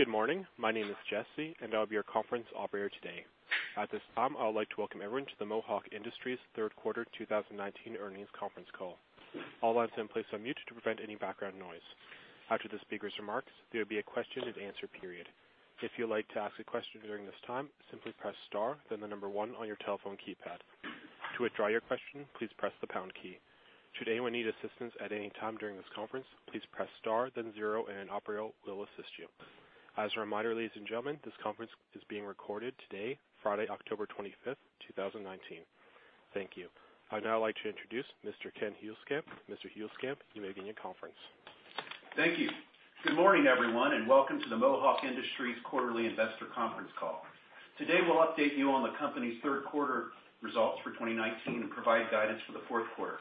Good morning. My name is Jesse, and I'll be your conference operator today. At this time, I would like to welcome everyone to the Mohawk Industries Third Quarter 2019 Earnings Conference Call. All lines and places are muted to prevent any background noise. After the speakers' remarks, there will be a question and answer period. If you would like to ask a question during this time, simply press star, then the number one on your telephone keypad. To withdraw your question, please press the pound key. Should anyone need assistance at any time during this conference, please press star, then zero, and an operator will assist you. As a reminder, ladies and gentlemen, this conference is being recorded today, Friday, October 25th, 2019. Thank you. I'd now like to introduce Mr. Ken Huelskamp. Mr. Huelskamp, you may begin your conference. Thank you. Good morning, everyone, and welcome to the Mohawk Industries quarterly investor conference call. Today, we'll update you on the company's third quarter results for 2019 and provide guidance for the fourth quarter.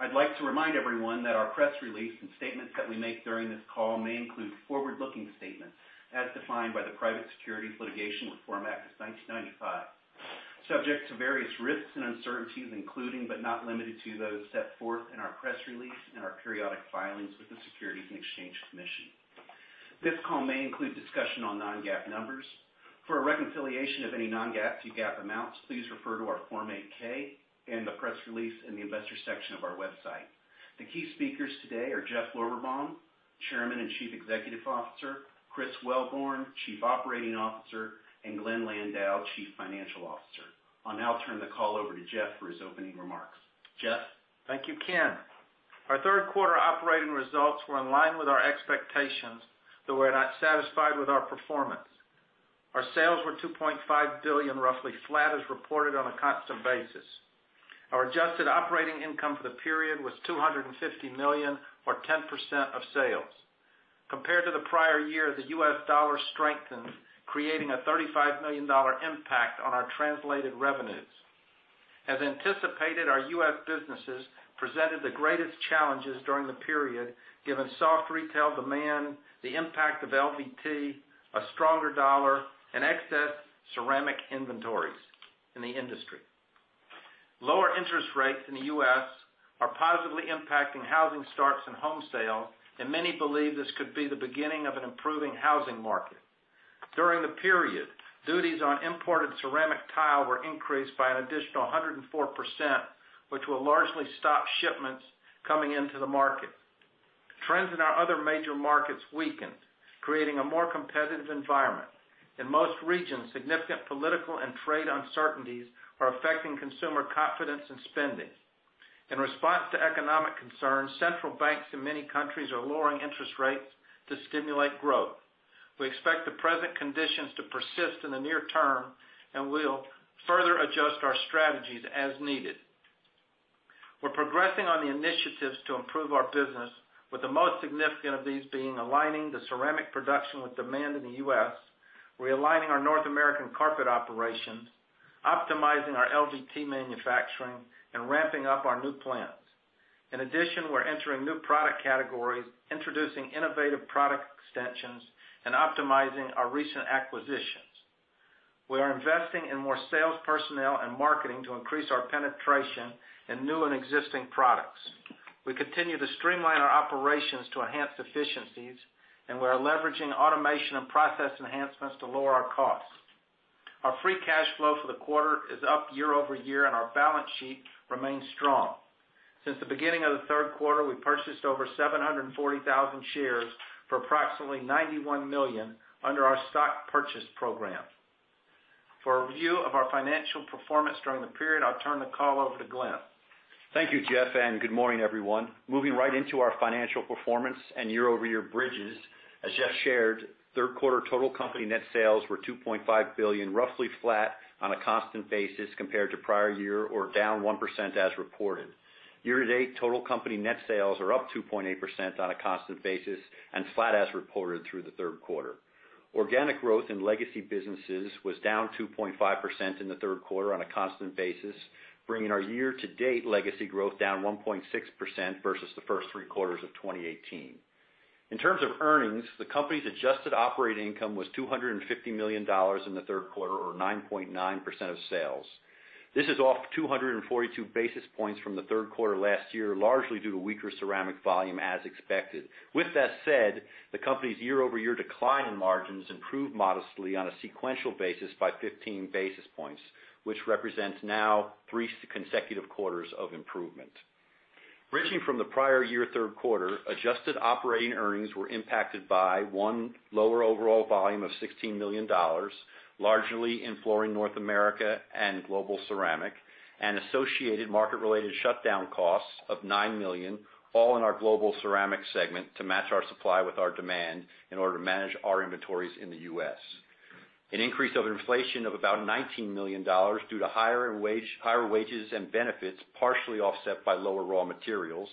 I'd like to remind everyone that our press release and statements that we make during this call may include forward-looking statements as defined by the Private Securities Litigation Reform Act of 1995, subject to various risks and uncertainties including but not limited to those set forth in our press release and our periodic filings with the Securities and Exchange Commission. This call may include discussion on non-GAAP numbers. For a reconciliation of any non-GAAP to GAAP amounts, please refer to our Form 8-K and the press release in the investor section of our website. The key speakers today are Jeff Lorberbaum, Chairman and Chief Executive Officer, Chris Wellborn, Chief Operating Officer, and Glenn Landau, Chief Financial Officer. I'll now turn the call over to Jeff for his opening remarks. Jeff? Thank you, Ken. Our third quarter operating results were in line with our expectations, though we're not satisfied with our performance. Our sales were $2.5 billion, roughly flat as reported on a constant basis. Our adjusted operating income for the period was $250 million or 10% of sales. Compared to the prior year, the U.S. dollar strengthened, creating a $35 million impact on our translated revenues. As anticipated, our U.S. businesses presented the greatest challenges during the period, given soft retail demand, the impact of LVT, a stronger dollar, and excess ceramic inventories in the industry. Lower interest rates in the U.S. are positively impacting housing starts and home sales, and many believe this could be the beginning of an improving housing market. During the period, duties on imported ceramic tile were increased by an additional 104%, which will largely stop shipments coming into the market. Trends in our other major markets weakened, creating a more competitive environment. In most regions, significant political and trade uncertainties are affecting consumer confidence and spending. In response to economic concerns, central banks in many countries are lowering interest rates to stimulate growth. We expect the present conditions to persist in the near term, and we'll further adjust our strategies as needed. We're progressing on the initiatives to improve our business with the most significant of these being aligning the ceramic production with demand in the U.S., realigning our North American carpet operations, optimizing our LVT manufacturing, and ramping up our new plants. In addition, we're entering new product categories, introducing innovative product extensions, and optimizing our recent acquisitions. We are investing in more sales personnel and marketing to increase our penetration in new and existing products. We continue to streamline our operations to enhance efficiencies, and we are leveraging automation and process enhancements to lower our costs. Our free cash flow for the quarter is up year-over-year, and our balance sheet remains strong. Since the beginning of the third quarter, we purchased over 740,000 shares for approximately $91 million under our stock purchase program. For a review of our financial performance during the period, I'll turn the call over to Glenn. Thank you, Jeff, and good morning, everyone. Moving right into our financial performance and year-over-year bridges, as Jeff shared, third quarter total company net sales were $2.5 billion, roughly flat on a constant basis compared to prior year or down 1% as reported. Year-to-date total company net sales are up 2.8% on a constant basis and flat as reported through the third quarter. Organic growth in legacy businesses was down 2.5% in the third quarter on a constant basis, bringing our year-to-date legacy growth down 1.6% versus the first three quarters of 2018. In terms of earnings, the company's adjusted operating income was $250 million in the third quarter or 9.9% of sales. This is off 242 basis points from the third quarter last year, largely due to weaker ceramic volume as expected. With that said, the company's year-over-year decline in margins improved modestly on a sequential basis by 15 basis points, which represents now three consecutive quarters of improvement. Bridging from the prior year third quarter, adjusted operating earnings were impacted by one lower overall volume of $16 million, largely in Flooring North America and Global Ceramic, and associated market-related shutdown costs of $9 million, all in our Global Ceramic segment to match our supply with our demand in order to manage our inventories in the U.S. An increase of inflation of about $19 million due to higher wages and benefits, partially offset by lower raw materials.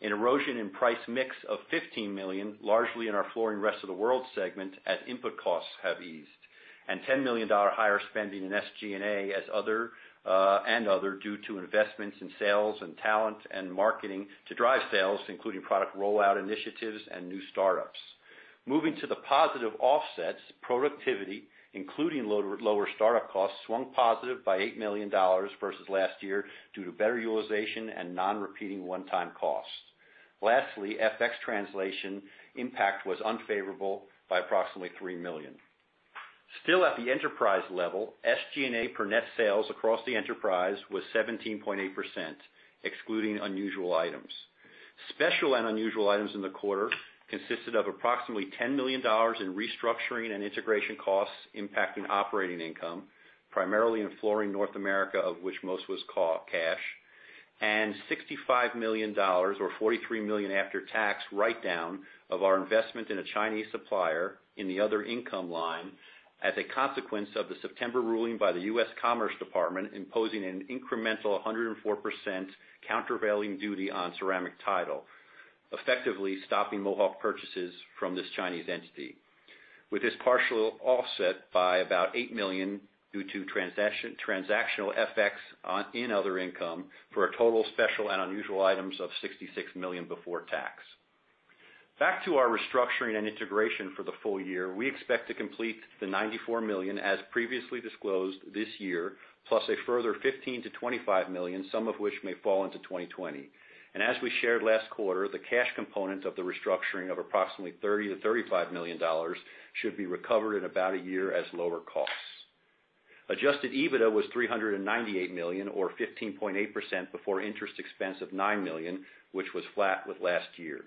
An erosion in price mix of $15 million, largely in our Flooring Rest of the World segment as input costs have eased. $10 million higher spending in SG&A and other due to investments in sales and talent and marketing to drive sales, including product rollout initiatives and new startups. Moving to the positive offsets, productivity, including lower startup costs, swung positive by $8 million versus last year due to better utilization and non-repeating one-time costs. Lastly, FX translation impact was unfavorable by approximately $3 million. Still at the enterprise level, SG&A per net sales across the enterprise was 17.8%, excluding unusual items. Special and unusual items in the quarter consisted of approximately $10 million in restructuring and integration costs impacting operating income, primarily in Flooring North America, of which most was cash, and $65 million, or $43 million after tax write-down of our investment in a Chinese supplier in the other income line as a consequence of the September ruling by the U.S. Department of Commerce, imposing an incremental 104% countervailing duty on ceramic tile, effectively stopping Mohawk purchases from this Chinese entity. With this partial offset by about $8 million due to transactional FX in other income, for a total special and unusual items of $66 million before tax. Back to our restructuring and integration for the full year, we expect to complete the $94 million as previously disclosed this year, plus a further $15 million-$25 million, some of which may fall into 2020. As we shared last quarter, the cash component of the restructuring of approximately $30 million-$35 million should be recovered in about one year as lower costs. Adjusted EBITDA was $398 million, or 15.8% before interest expense of $9 million, which was flat with last year.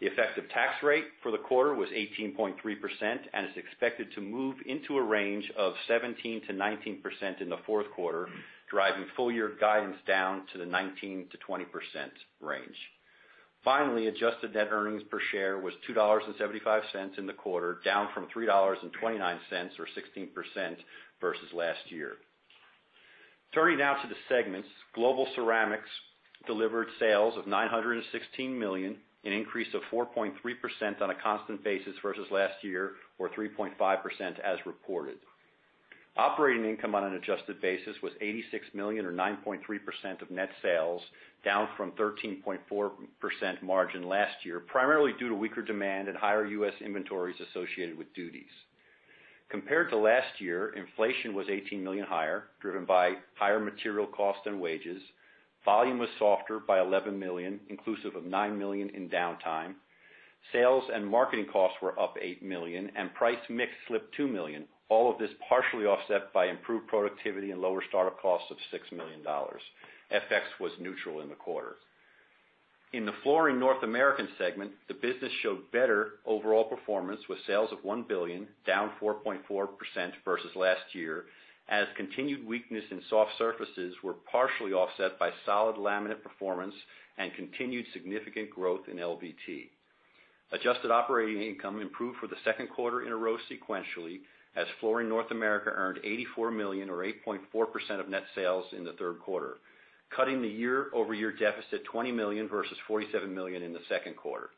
The effective tax rate for the quarter was 18.3% and is expected to move into a range of 17%-19% in the fourth quarter, driving full year guidance down to the 19%-20% range. Finally, adjusted net earnings per share was $2.75 in the quarter, down from $3.29 or 16% versus last year. Turning now to the segments. Global Ceramic delivered sales of $916 million, an increase of 4.3% on a constant basis versus last year, or 3.5% as reported. Operating income on an adjusted basis was $86 million or 9.3% of net sales, down from 13.4% margin last year, primarily due to weaker demand and higher U.S. inventories associated with duties. Compared to last year, inflation was $18 million higher, driven by higher material cost and wages. Volume was softer by $11 million, inclusive of $9 million in downtime. Sales and marketing costs were up $8 million and price mix slipped $2 million. All of this partially offset by improved productivity and lower startup costs of $6 million. FX was neutral in the quarter. In the Flooring North America segment, the business showed better overall performance with sales of $1 billion, down 4.4% versus last year, as continued weakness in soft surfaces were partially offset by solid laminate performance and continued significant growth in LVT. Adjusted operating income improved for the second quarter in a row sequentially, as Flooring North America earned $84 million or 8.4% of net sales in the third quarter, cutting the year-over-year deficit $20 million versus $47 million in the second quarter.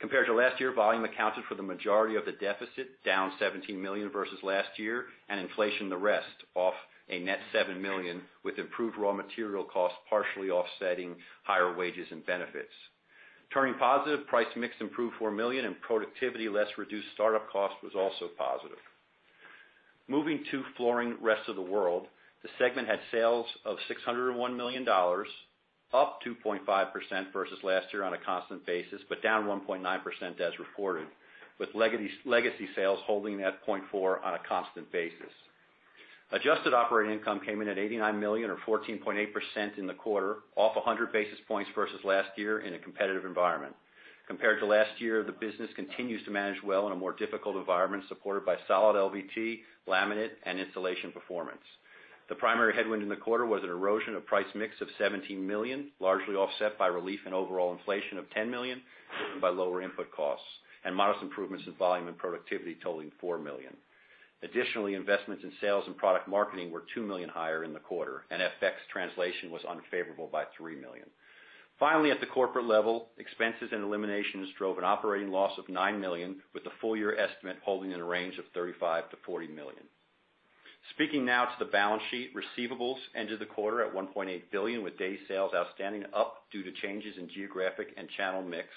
Compared to last year, volume accounted for the majority of the deficit, down $17 million versus last year, and inflation, the rest, off a net $7 million with improved raw material costs partially offsetting higher wages and benefits. Turning positive, price mix improved $4 million and productivity less reduced startup cost was also positive. Moving to Flooring Rest of the World, the segment had sales of $601 million, up 2.5% versus last year on a constant basis, but down 1.9% as reported, with legacy sales holding at 0.4% on a constant basis. Adjusted operating income came in at $89 million, or 14.8% in the quarter, off 100 basis points versus last year in a competitive environment. Compared to last year, the business continues to manage well in a more difficult environment, supported by solid LVT, laminate, and installation performance. The primary headwind in the quarter was an erosion of price mix of $17 million, largely offset by relief in overall inflation of $10 million by lower input costs and modest improvements in volume and productivity totaling $4 million. Additionally, investments in sales and product marketing were $2 million higher in the quarter, and FX translation was unfavorable by $3 million. Finally, at the corporate level, expenses and eliminations drove an operating loss of $9 million, with the full-year estimate holding in a range of $35 million-$40 million. Speaking now to the balance sheet, receivables ended the quarter at $1.8 billion, with day sales outstanding up due to changes in geographic and channel mix.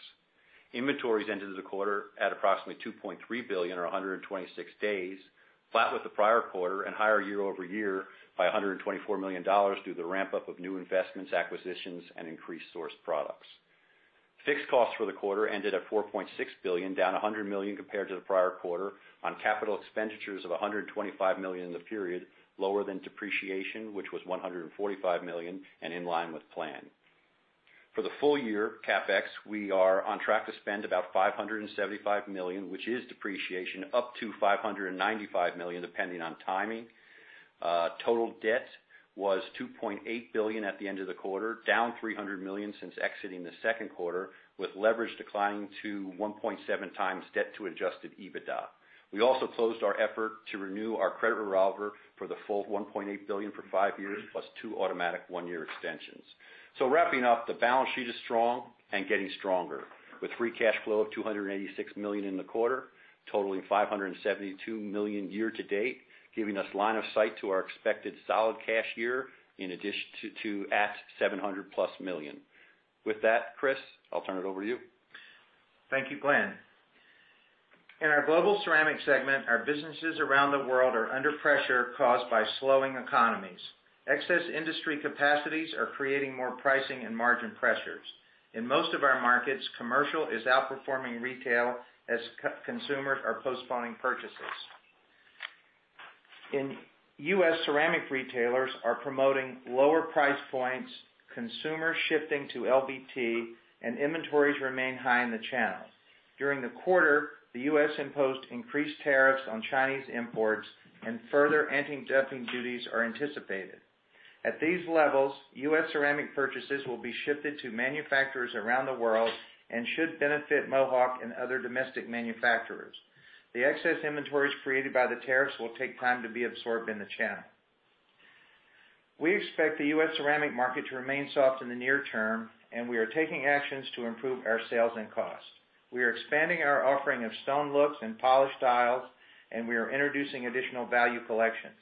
Inventories ended the quarter at approximately $2.3 billion or 126 days, flat with the prior quarter and higher year-over-year by $124 million due to the ramp-up of new investments, acquisitions, and increased sourced products. Fixed costs for the quarter ended at $4.6 billion, down $100 million compared to the prior quarter on capital expenditures of $125 million in the period lower than depreciation, which was $145 million and in line with plan. For the full year CapEx, we are on track to spend about $575 million, which is depreciation up to $595 million, depending on timing. Total debt was $2.8 billion at the end of the quarter, down $300 million since exiting the second quarter, with leverage declining to 1.7 times debt to adjusted EBITDA. We also closed our effort to renew our credit revolver for the full $1.8 billion for five years, plus two automatic one-year extensions. Wrapping up, the balance sheet is strong and getting stronger. With free cash flow of $286 million in the quarter, totaling $572 million year to date, giving us line of sight to our expected solid cash year in addition to at $700-plus million. With that, Chris, I'll turn it over to you. Thank you, Glenn. In our Global Ceramic segment, our businesses around the world are under pressure caused by slowing economies. Excess industry capacities are creating more pricing and margin pressures. In most of our markets, commercial is outperforming retail as consumers are postponing purchases. In U.S., ceramic retailers are promoting lower price points, consumers shifting to LVT, and inventories remain high in the channel. During the quarter, the U.S. imposed increased tariffs on Chinese imports and further anti-dumping duties are anticipated. At these levels, U.S. ceramic purchases will be shifted to manufacturers around the world and should benefit Mohawk and other domestic manufacturers. The excess inventories created by the tariffs will take time to be absorbed in the channel. We expect the U.S. ceramic market to remain soft in the near term, and we are taking actions to improve our sales and costs. We are expanding our offering of stone looks and polished tiles, and we are introducing additional value collections.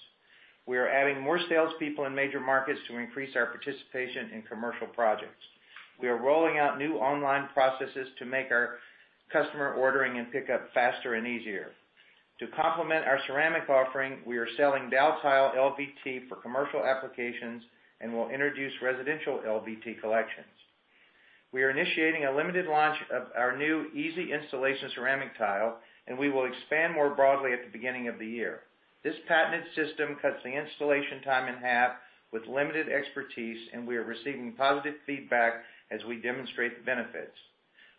We are adding more salespeople in major markets to increase our participation in commercial projects. We are rolling out new online processes to make our customer ordering and pickup faster and easier. To complement our ceramic offering, we are selling Daltile LVT for commercial applications and will introduce residential LVT collections. We are initiating a limited launch of our new easy installation ceramic tile, and we will expand more broadly at the beginning of the year. This patented system cuts the installation time in half with limited expertise, and we are receiving positive feedback as we demonstrate the benefits.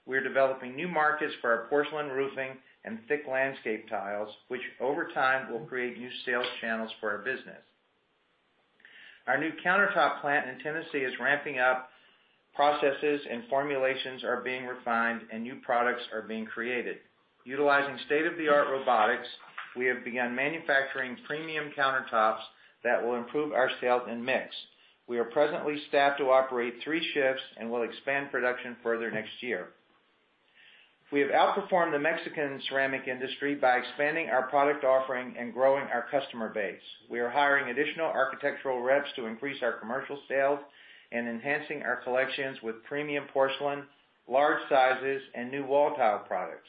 We are developing new markets for our porcelain roofing and thick landscape tiles, which over time will create new sales channels for our business. Our new countertop plant in Tennessee is ramping up. Processes and formulations are being refined, and new products are being created. Utilizing state-of-the-art robotics, we have begun manufacturing premium countertops that will improve our sales and mix. We are presently staffed to operate three shifts and will expand production further next year. We have outperformed the Mexican ceramic industry by expanding our product offering and growing our customer base. We are hiring additional architectural reps to increase our commercial sales and enhancing our collections with premium porcelain, large sizes, and new wall tile products.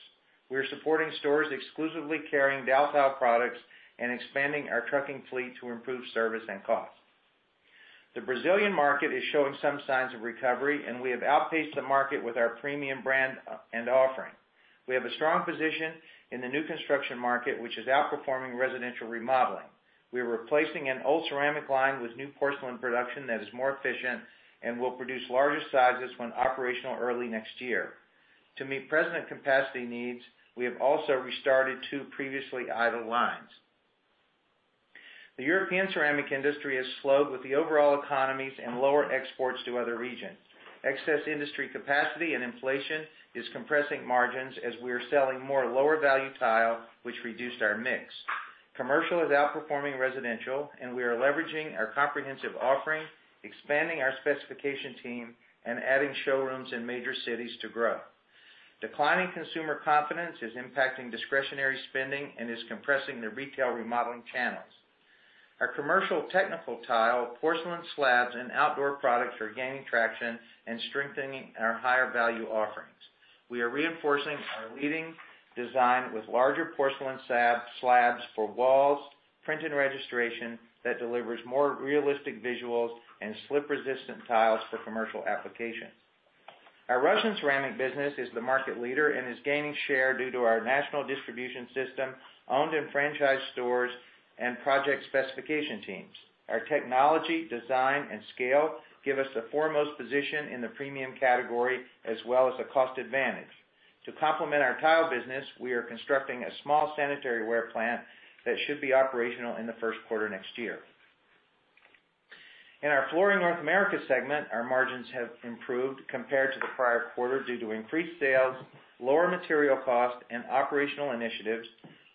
We are supporting stores exclusively carrying Daltile products and expanding our trucking fleet to improve service and cost. The Brazilian market is showing some signs of recovery, and we have outpaced the market with our premium brand and offering. We have a strong position in the new construction market, which is outperforming residential remodeling. We are replacing an old ceramic line with new porcelain production that is more efficient and will produce larger sizes when operational early next year. To meet present capacity needs, we have also restarted two previously idle lines. The European ceramic industry has slowed with the overall economies and lower exports to other regions. Excess industry capacity and inflation is compressing margins as we are selling more lower-value tile, which reduced our mix. Commercial is outperforming residential, and we are leveraging our comprehensive offering, expanding our specification team, and adding showrooms in major cities to grow. Declining consumer confidence is impacting discretionary spending and is compressing the retail remodeling channels. Our commercial technical tile, porcelain slabs, and outdoor products are gaining traction and strengthening our higher-value offerings. We are reinforcing our leading design with larger porcelain slabs for walls, print and registration that delivers more realistic visuals, and slip-resistant tiles for commercial applications. Our Russian ceramic business is the market leader and is gaining share due to our national distribution system, owned and franchised stores, and project specification teams. Our technology, design, and scale give us the foremost position in the premium category, as well as a cost advantage. To complement our tile business, we are constructing a small sanitary ware plant that should be operational in the first quarter next year. In our Flooring North America segment, our margins have improved compared to the prior quarter due to increased sales, lower material costs, and operational initiatives,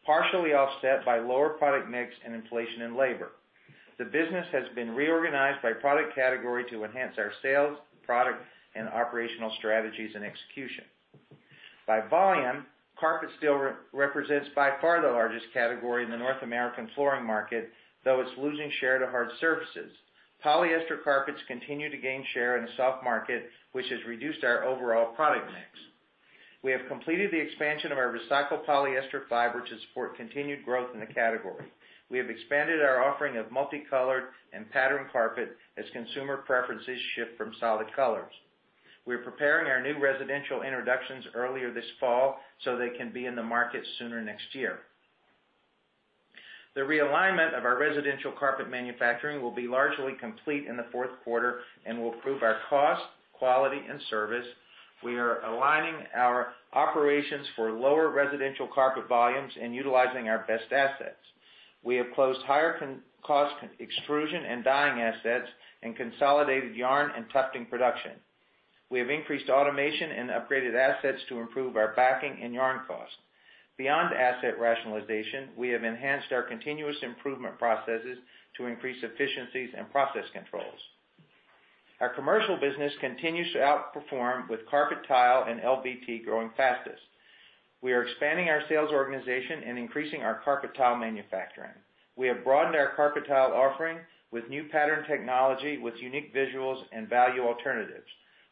partially offset by lower product mix and inflation in labor. The business has been reorganized by product category to enhance our sales, product, and operational strategies and execution. By volume, carpet still represents by far the largest category in the North American flooring market, though it's losing share to hard surfaces. Polyester carpets continue to gain share in the soft market, which has reduced our overall product mix. We have completed the expansion of our recycled polyester fiber to support continued growth in the category. We have expanded our offering of multicolored and patterned carpet as consumer preferences shift from solid colors. We're preparing our new residential introductions earlier this fall so they can be in the market sooner next year. The realignment of our residential carpet manufacturing will be largely complete in the fourth quarter and will improve our cost, quality, and service. We are aligning our operations for lower residential carpet volumes and utilizing our best assets. We have closed higher cost extrusion and dyeing assets and consolidated yarn and tufting production. We have increased automation and upgraded assets to improve our backing and yarn costs. Beyond asset rationalization, we have enhanced our continuous improvement processes to increase efficiencies and process controls. Our commercial business continues to outperform with carpet tile and LVT growing fastest. We are expanding our sales organization and increasing our carpet tile manufacturing. We have broadened our carpet tile offering with new pattern technology with unique visuals and value alternatives.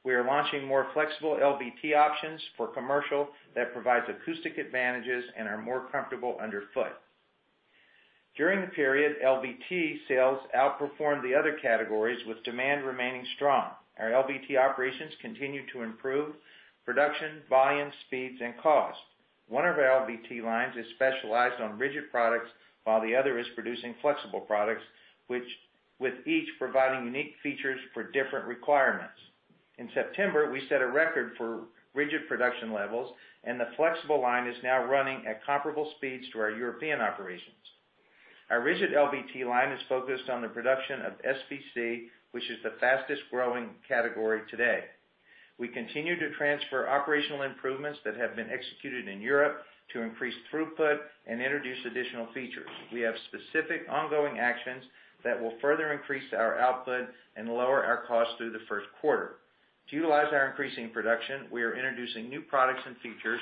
We are launching more flexible LVT options for commercial that provides acoustic advantages and are more comfortable underfoot. During the period, LVT sales outperformed the other categories, with demand remaining strong. Our LVT operations continue to improve production, volume, speeds, and cost. One of our LVT lines is specialized on rigid products, while the other is producing flexible products, with each providing unique features for different requirements. In September, we set a record for rigid production levels, and the flexible line is now running at comparable speeds to our European operations. Our rigid LVT line is focused on the production of SPC, which is the fastest-growing category today. We continue to transfer operational improvements that have been executed in Europe to increase throughput and introduce additional features. We have specific ongoing actions that will further increase our output and lower our cost through the first quarter. To utilize our increasing production, we are introducing new products and features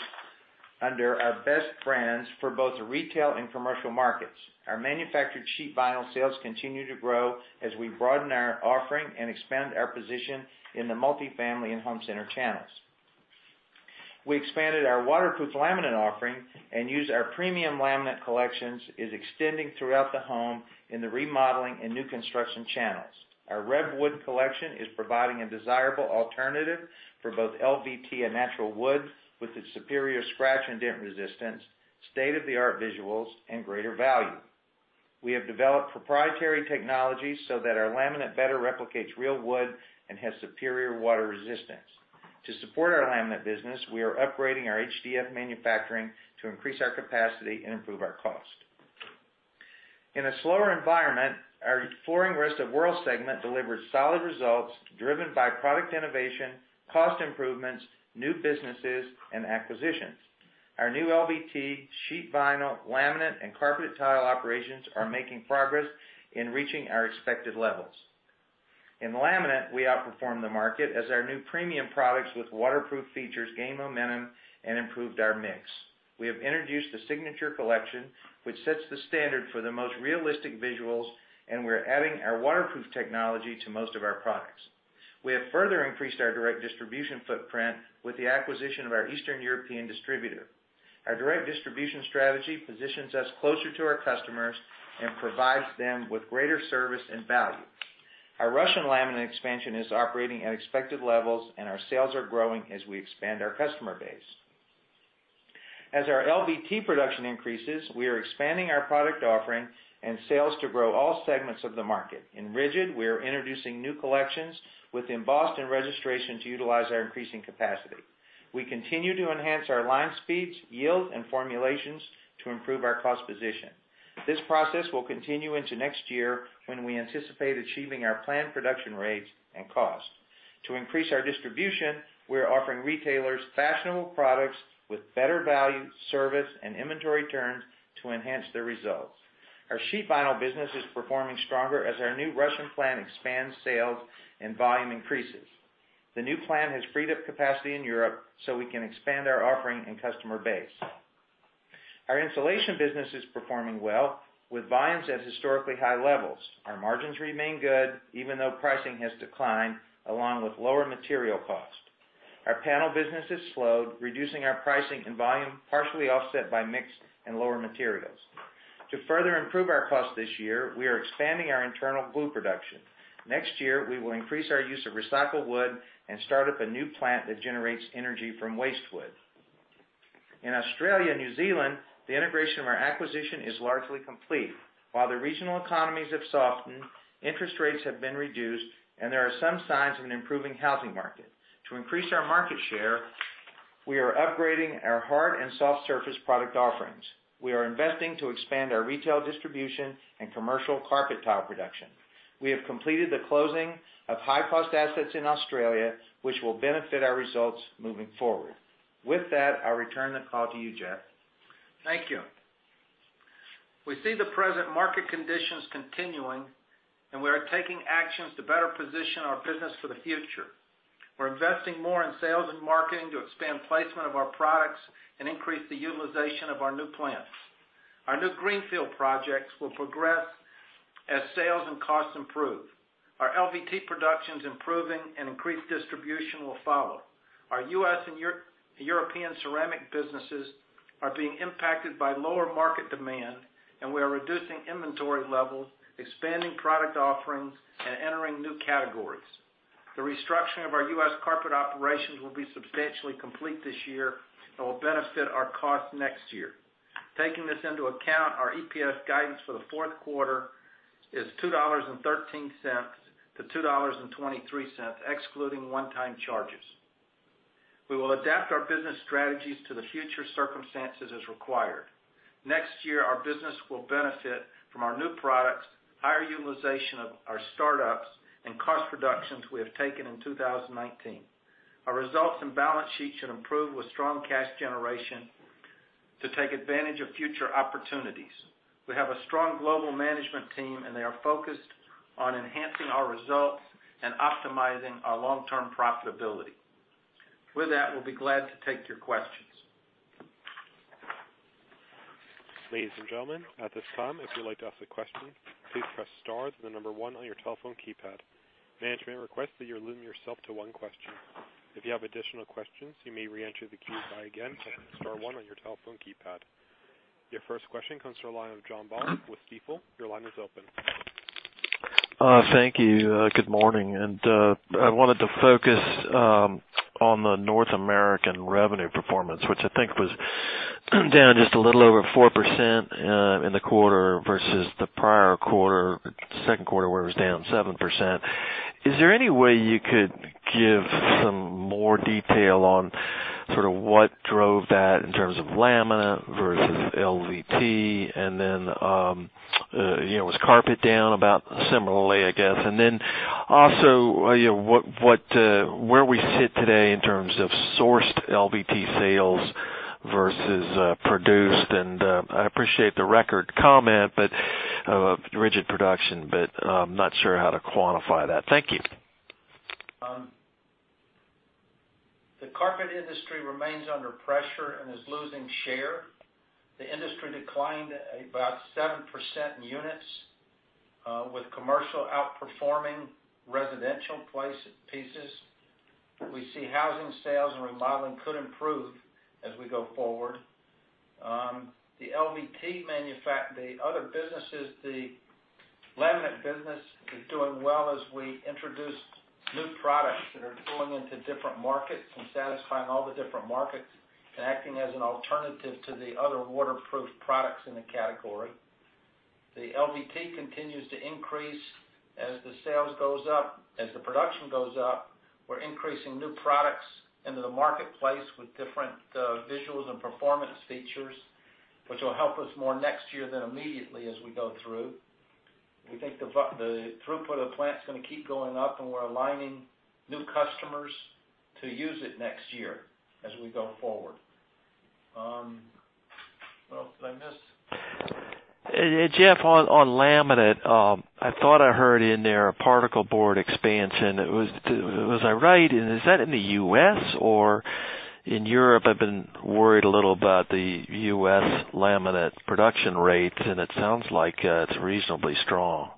under our best brands for both the retail and commercial markets. Our manufactured sheet vinyl sales continue to grow as we broaden our offering and expand our position in the multifamily and home center channels. We expanded our waterproof laminate offering and use our premium laminate collections is extending throughout the home in the remodeling and new construction channels. Our RevWood collection is providing a desirable alternative for both LVT and natural wood, with its superior scratch and dent resistance, state-of-the-art visuals, and greater value. We have developed proprietary technologies so that our laminate better replicates real wood and has superior water resistance. To support our laminate business, we are upgrading our HDF manufacturing to increase our capacity and improve our cost. In a slower environment, our Flooring Rest of the World segment delivered solid results driven by product innovation, cost improvements, new businesses, and acquisitions. Our new LVT sheet vinyl, laminate, and carpet tile operations are making progress in reaching our expected levels. In laminate, we outperformed the market as our new premium products with waterproof features gained momentum and improved our mix. We have introduced the Signature collection, which sets the standard for the most realistic visuals, and we're adding our waterproof technology to most of our products. We have further increased our direct distribution footprint with the acquisition of our Eastern European distributor. Our direct distribution strategy positions us closer to our customers and provides them with greater service and value. Our Russian laminate expansion is operating at expected levels, and our sales are growing as we expand our customer base. As our LVT production increases, we are expanding our product offering and sales to grow all segments of the market. In rigid, we are introducing new collections with embossed and registration to utilize our increasing capacity. We continue to enhance our line speeds, yield, and formulations to improve our cost position. This process will continue into next year when we anticipate achieving our planned production rates and cost. To increase our distribution, we are offering retailers fashionable products with better value, service, and inventory turns to enhance their results. Our sheet vinyl business is performing stronger as our new Russian plant expands sales and volume increases. The new plant has freed up capacity in Europe so we can expand our offering and customer base. Our insulation business is performing well with volumes at historically high levels. Our margins remain good even though pricing has declined, along with lower material cost. Our panel business has slowed, reducing our pricing and volume, partially offset by mix and lower materials. To further improve our cost this year, we are expanding our internal glue production. Next year, we will increase our use of recycled wood and start up a new plant that generates energy from waste wood. In Australia and New Zealand, the integration of our acquisition is largely complete. While the regional economies have softened, interest rates have been reduced, there are some signs of an improving housing market. To increase our market share, we are upgrading our hard and soft surface product offerings. We are investing to expand our retail distribution and commercial carpet tile production. We have completed the closing of high-cost assets in Australia, which will benefit our results moving forward. With that, I'll return the call to you, Jeff. Thank you. We see the present market conditions continuing. We are taking actions to better position our business for the future. We're investing more in sales and marketing to expand placement of our products and increase the utilization of our new plants. Our new greenfield projects will progress as sales and costs improve. Our LVT production's improving, and increased distribution will follow. Our U.S. and European ceramic businesses are being impacted by lower market demand, and we are reducing inventory levels, expanding product offerings, and entering new categories. The restructuring of our U.S. carpet operations will be substantially complete this year and will benefit our cost next year. Taking this into account, our EPS guidance for the fourth quarter is $2.13-$2.23, excluding one-time charges. We will adapt our business strategies to the future circumstances as required. Next year, our business will benefit from our new products, higher utilization of our startups, and cost reductions we have taken in 2019. Our results and balance sheet should improve with strong cash generation to take advantage of future opportunities. They are focused on enhancing our results and optimizing our long-term profitability. With that, we'll be glad to take your questions. Ladies and gentlemen, at this time, if you'd like to ask a question, please press star, then the number 1 on your telephone keypad. Management requests that you limit yourself to one question. If you have additional questions, you may reenter the queue by again pressing star one on your telephone keypad. Your first question comes to the line of John Baugh with Stifel. Your line is open. Thank you. Good morning. I wanted to focus on the North American revenue performance, which I think was down just a little over 4% in the quarter versus the prior quarter, second quarter, where it was down 7%. Is there any way you could give some more detail on sort of what drove that in terms of laminate versus LVT? Was carpet down about similarly, I guess? Also, where we sit today in terms of sourced LVT sales versus produced. I appreciate the record comment, rigid production, but I'm not sure how to quantify that. Thank you. The carpet industry remains under pressure and is losing share. The industry declined about 7% in units, with commercial outperforming residential pieces. We see housing sales and remodeling could improve as we go forward. The other businesses, the laminate business is doing well as we introduce new products that are going into different markets and satisfying all the different markets and acting as an alternative to the other waterproof products in the category. The LVT continues to increase as the sales goes up. As the production goes up, we're increasing new products into the marketplace with different visuals and performance features, which will help us more next year than immediately as we go through. We think the throughput of the plant is going to keep going up. We're aligning new customers to use it next year as we go forward. What else did I miss? Jeff, on laminate, I thought I heard in there a particle board expansion. Was I right, and is that in the U.S. or in Europe? I've been worried a little about the U.S. laminate production rates. It sounds like it's reasonably strong.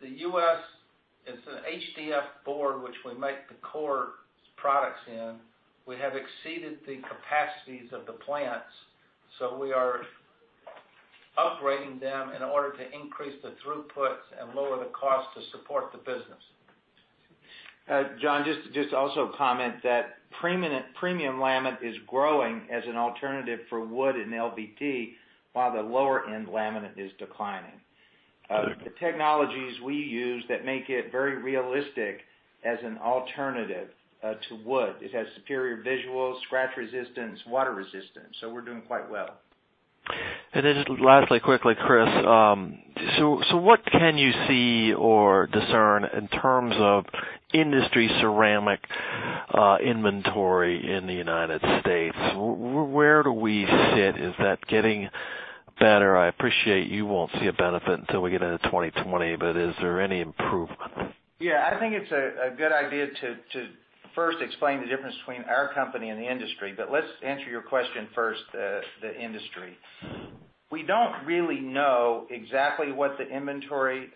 The U.S., it's an HDF board, which we make the core products in. We have exceeded the capacities of the plants, so we are upgrading them in order to increase the throughputs and lower the cost to support the business. John, just also comment that premium laminate is growing as an alternative for wood and LVT while the lower-end laminate is declining. Okay. The technologies we use that make it very realistic as an alternative to wood. It has superior visuals, scratch resistance, water resistance, so we're doing quite well. Just lastly, quickly, Chris, what can you see or discern in terms of industry ceramic inventory in the U.S.? Where do we sit? Is that getting better? I appreciate you won't see a benefit until we get into 2020, but is there any improvement? Yeah, I think it's a good idea to first explain the difference between our company and the industry, but let's answer your question first, the industry. We don't really know exactly what the inventory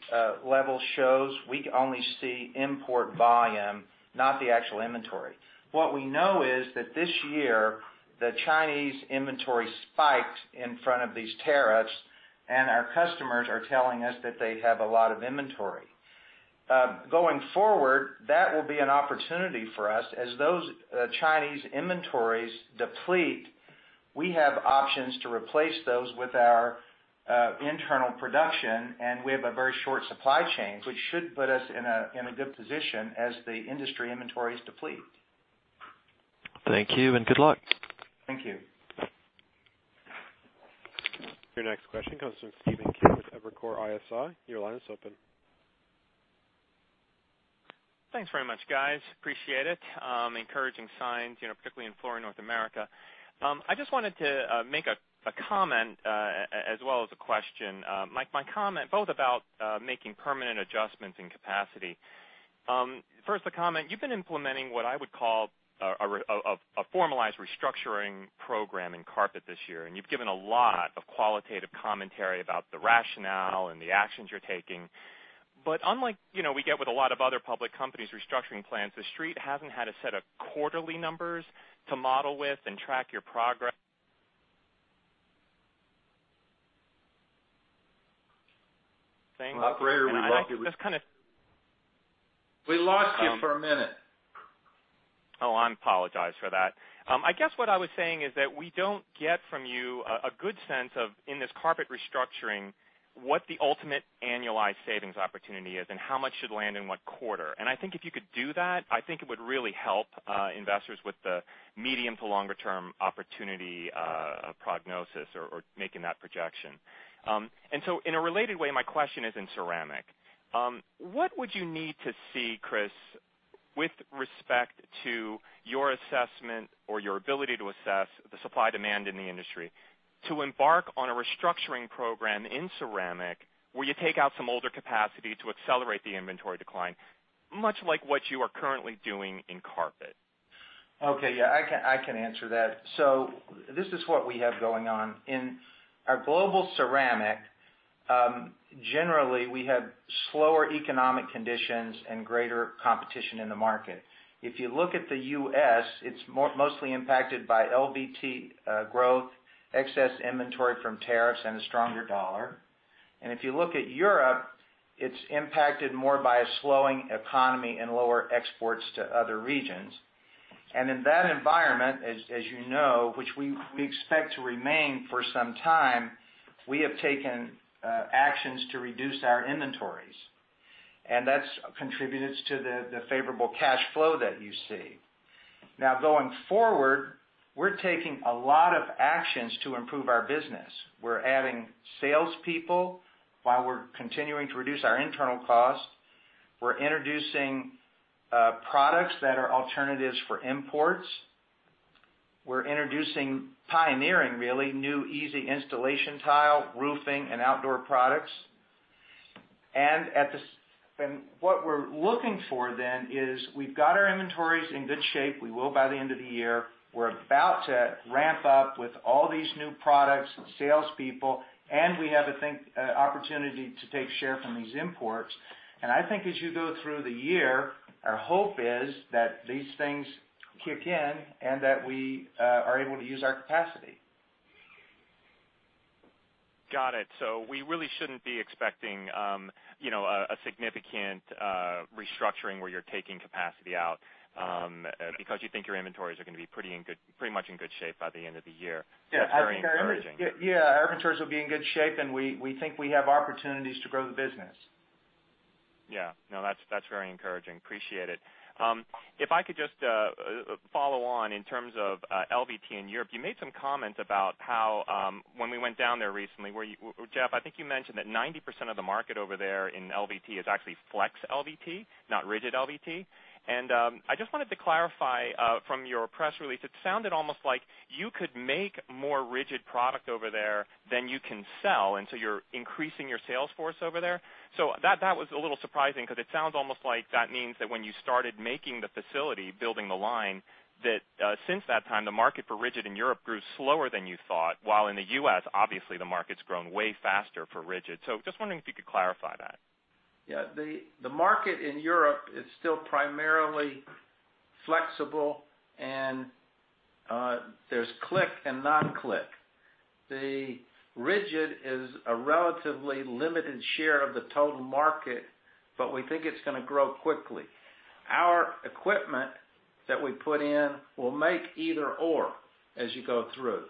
level shows. We only see import volume, not the actual inventory. What we know is that this year, the Chinese inventory spiked in front of these tariffs, and our customers are telling us that they have a lot of inventory. Going forward, that will be an opportunity for us. As those Chinese inventories deplete, we have options to replace those with our internal production, and we have a very short supply chain, which should put us in a good position as the industry inventories deplete. Thank you, and good luck. Thank you. Your next question comes from Stephen Kim with Evercore ISI. Your line is open. Thanks very much, guys. Appreciate it. Encouraging signs, particularly in Flooring North America. I just wanted to make a comment as well as a question. My comment both about making permanent adjustments in capacity. First, the comment. You've been implementing what I would call a formalized restructuring program in carpet this year, and you've given a lot of qualitative commentary about the rationale and the actions you're taking. Unlike we get with a lot of other public companies restructuring plans, the Street hasn't had a set of quarterly numbers to model with and track your progress. Operator, we lost you. We lost you for a minute. I apologize for that. I guess what I was saying is that we don't get from you a good sense of, in this carpet restructuring, what the ultimate annualized savings opportunity is and how much should land in what quarter. I think if you could do that, I think it would really help investors with the medium to longer term opportunity prognosis or making that projection. In a related way, my question is in ceramic. What would you need to see, Chris, with respect to your assessment or your ability to assess the supply-demand in the industry to embark on a restructuring program in ceramic where you take out some older capacity to accelerate the inventory decline, much like what you are currently doing in carpet? I can answer that. This is what we have going on. In our Global Ceramic, generally, we have slower economic conditions and greater competition in the market. If you look at the U.S., it's mostly impacted by LVT growth, excess inventory from tariffs, and a stronger dollar. If you look at Europe, it's impacted more by a slowing economy and lower exports to other regions. In that environment, as you know, which we expect to remain for some time, we have taken actions to reduce our inventories, and that's contributed to the favorable cash flow that you see. Going forward, we're taking a lot of actions to improve our business. We're adding salespeople while we're continuing to reduce our internal costs. We're introducing products that are alternatives for imports. We're introducing, pioneering really, new easy installation tile, roofing, and outdoor products. What we're looking for then is we've got our inventories in good shape. We will by the end of the year. We're about to ramp up with all these new products and salespeople, and we have, I think, opportunity to take share from these imports. I think as you go through the year, our hope is that these things kick in and that we are able to use our capacity. Got it. We really shouldn't be expecting a significant restructuring where you're taking capacity out, because you think your inventories are going to be pretty much in good shape by the end of the year. Yeah. That's very encouraging. Yeah. Our inventories will be in good shape, and we think we have opportunities to grow the business. Yeah. No, that's very encouraging. Appreciate it. If I could just follow on in terms of LVT in Europe. You made some comments about how, when we went down there recently, Jeff, I think you mentioned that 90% of the market over there in LVT is actually flex LVT, not rigid LVT. I just wanted to clarify, from your press release, it sounded almost like you could make more rigid product over there than you can sell, and so you're increasing your sales force over there. That was a little surprising because it sounds almost like that means that when you started making the facility, building the line, that since that time, the market for rigid in Europe grew slower than you thought. While in the U.S., obviously, the market's grown way faster for rigid. Just wondering if you could clarify that. Yeah. The market in Europe is still primarily flexible and there's click and non-click. The rigid is a relatively limited share of the total market, but we think it's going to grow quickly. Our equipment that we put in will make either/or as you go through.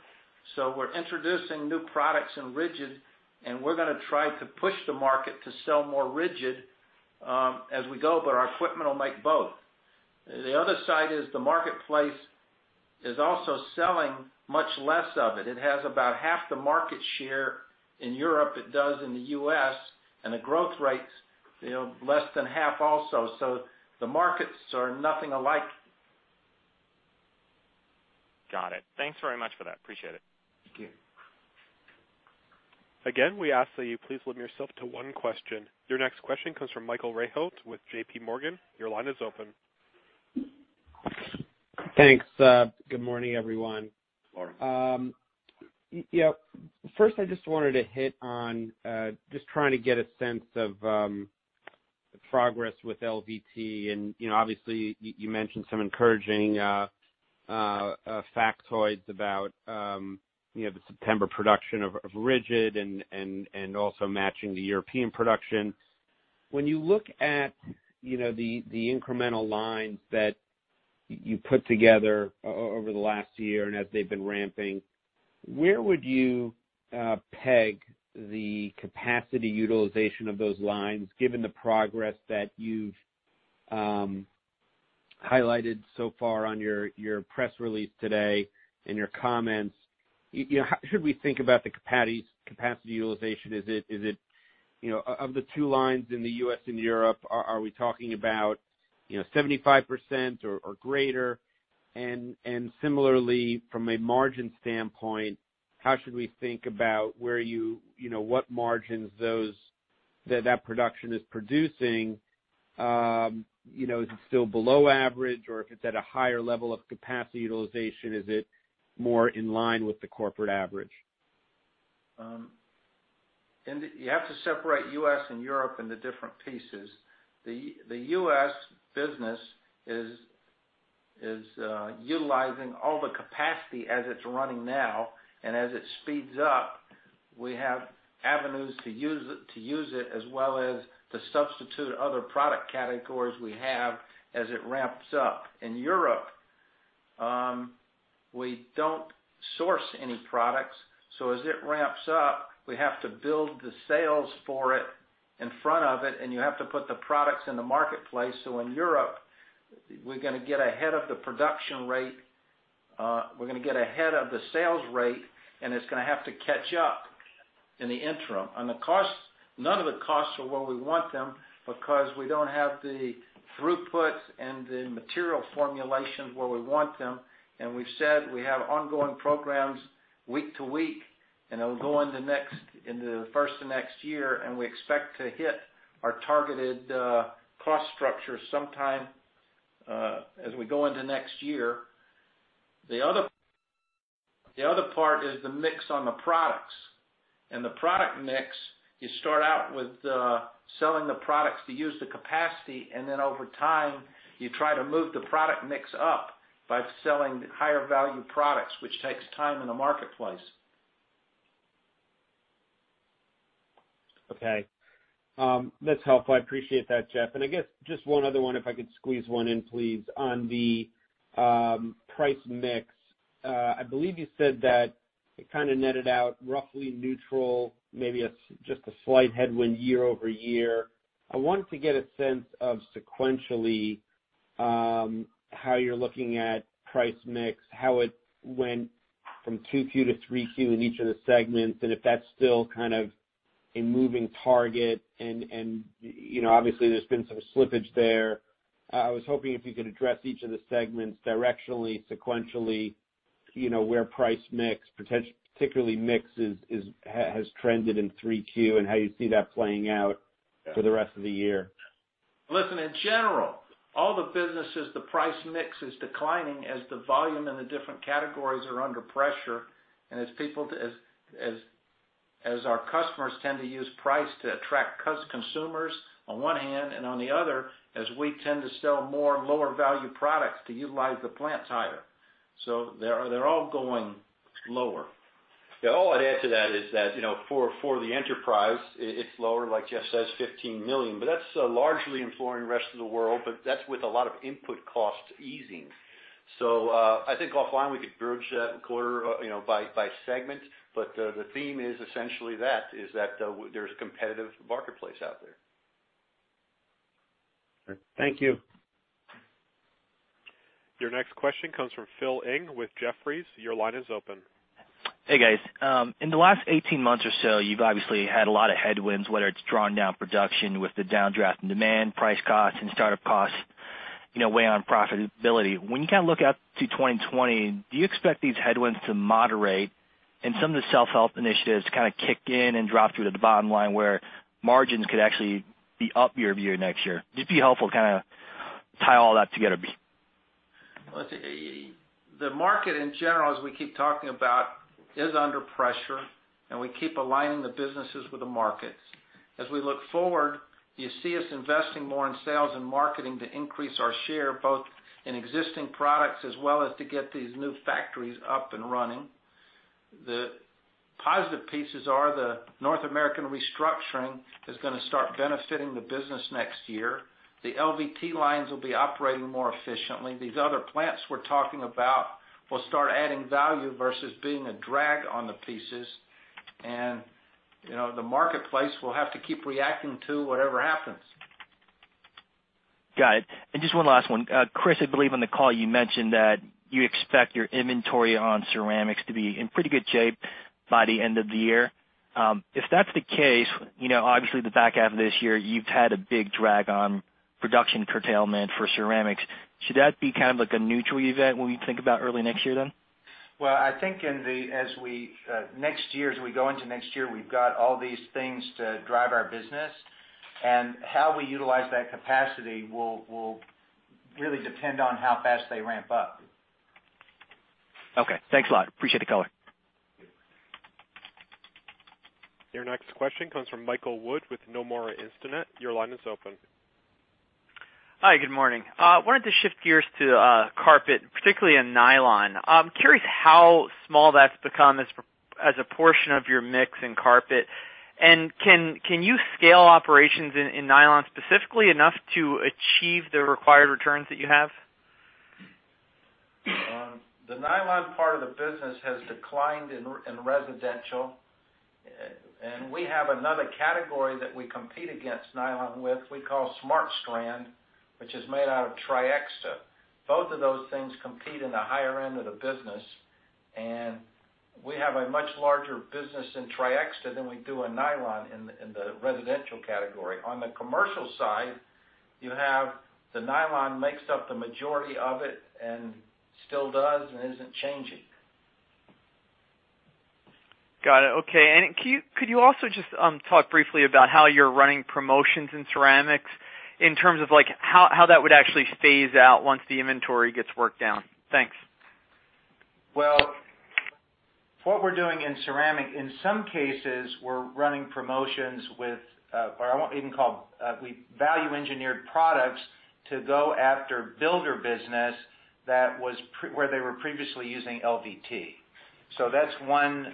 We're introducing new products in rigid, and we're going to try to push the market to sell more rigid as we go, but our equipment will make both. The other side is the marketplace is also selling much less of it. It has about half the market share in Europe it does in the U.S., and the growth rate's less than half also. The markets are nothing alike. Got it. Thanks very much for that. Appreciate it. Thank you. Again, we ask that you please limit yourself to one question. Your next question comes from Michael Rehaut with JPMorgan. Your line is open. Thanks. Good morning, everyone. Morning. First, I just wanted to hit on just trying to get a sense of progress with LVT. Obviously you mentioned some encouraging factoids about the September production of rigid and also matching the European production. When you look at the incremental lines that you put together over the last year and as they've been ramping, where would you peg the capacity utilization of those lines given the progress that you've highlighted so far on your press release today and your comments? How should we think about the capacity utilization? Of the two lines in the U.S. and Europe, are we talking about 75% or greater? Similarly, from a margin standpoint, how should we think about what margins that production is producing? Is it still below average, or if it's at a higher level of capacity utilization, is it more in line with the corporate average? You have to separate U.S. and Europe into different pieces. The U.S. business is utilizing all the capacity as it's running now. As it speeds up, we have avenues to use it, as well as to substitute other product categories we have as it ramps up. In Europe, we don't source any products. As it ramps up, we have to build the sales for it in front of it. You have to put the products in the marketplace. In Europe, we're going to get ahead of the production rate, we're going to get ahead of the sales rate. It's going to have to catch up in the interim. On the cost, none of the costs are where we want them because we don't have the throughput and the material formulation where we want them. We've said we have ongoing programs week to week, it'll go into the first of next year, and we expect to hit our targeted cost structure sometime as we go into next year. The other part is the mix on the products. In the product mix, you start out with selling the products to use the capacity, and then over time, you try to move the product mix up by selling higher value products, which takes time in the marketplace. Okay. That's helpful. I appreciate that, Jeff. I guess just one other one, if I could squeeze one in, please. On the price mix, I believe you said that it kind of netted out roughly neutral, maybe just a slight headwind year-over-year. I wanted to get a sense of sequentially, how you're looking at price mix, how it went from 2Q to 3Q in each of the segments, if that's still kind of a moving target and obviously there's been some slippage there. I was hoping if you could address each of the segments directionally, sequentially, where price mix, particularly mix has trended in 3Q and how you see that playing out for the rest of the year. Listen, in general, all the businesses, the price mix is declining as the volume in the different categories are under pressure, and as our customers tend to use price to attract consumers on one hand, and on the other, as we tend to sell more lower value products to utilize the plants higher. They're all going lower. Yeah, all I'd add to that is that, for the enterprise, it's lower, like Jeff says, $15 million, but that's largely in Flooring Rest of the World, but that's with a lot of input costs easing. I think offline we could budget that quarter by segment. The theme is essentially that, is that there's a competitive marketplace out there. Thank you. Your next question comes from Philip Ng with Jefferies. Your line is open. Hey, guys. In the last 18 months or so, you've obviously had a lot of headwinds, whether it's drawn down production with the downdraft in demand, price costs and startup costs weigh on profitability. When you kind of look out to 2020, do you expect these headwinds to moderate and some of the self-help initiatives to kind of kick in and drop through to the bottom line where margins could actually be up year-over-year next year? Just be helpful, kind of tie all that together. The market in general, as we keep talking about, is under pressure, and we keep aligning the businesses with the markets. As we look forward, you see us investing more in sales and marketing to increase our share, both in existing products as well as to get these new factories up and running. The positive pieces are the North American restructuring is going to start benefiting the business next year. The LVT lines will be operating more efficiently. These other plants we're talking about will start adding value versus being a drag on the pieces. The marketplace will have to keep reacting to whatever happens. Got it. Just one last one. Chris, I believe on the call you mentioned that you expect your inventory on ceramics to be in pretty good shape by the end of the year. If that's the case, obviously the back half of this year, you've had a big drag on production curtailment for ceramics. Should that be kind of like a neutral event when we think about early next year, then? Well, I think as we go into next year, we've got all these things to drive our business, and how we utilize that capacity will really depend on how fast they ramp up. Okay. Thanks a lot. Appreciate the call. Your next question comes from Michael Wood with Nomura Instinet. Your line is open. Hi, good morning. Wanted to shift gears to carpet, particularly in nylon. I'm curious how small that's become as a portion of your mix in carpet. Can you scale operations in nylon specifically enough to achieve the required returns that you have? The nylon part of the business has declined in residential. We have another category that we compete against nylon with, we call SmartStrand, which is made out of triexta. Both of those things compete in the higher end of the business, and we have a much larger business in triexta than we do in nylon in the residential category. On the commercial side, you have the nylon makes up the majority of it, and still does, and isn't changing. Got it. Okay. Could you also just talk briefly about how you're running promotions in ceramics in terms of how that would actually phase out once the inventory gets worked down? Thanks. What we're doing in ceramic, in some cases, we're running promotions with we value engineered products to go after builder business where they were previously using LVT. That's one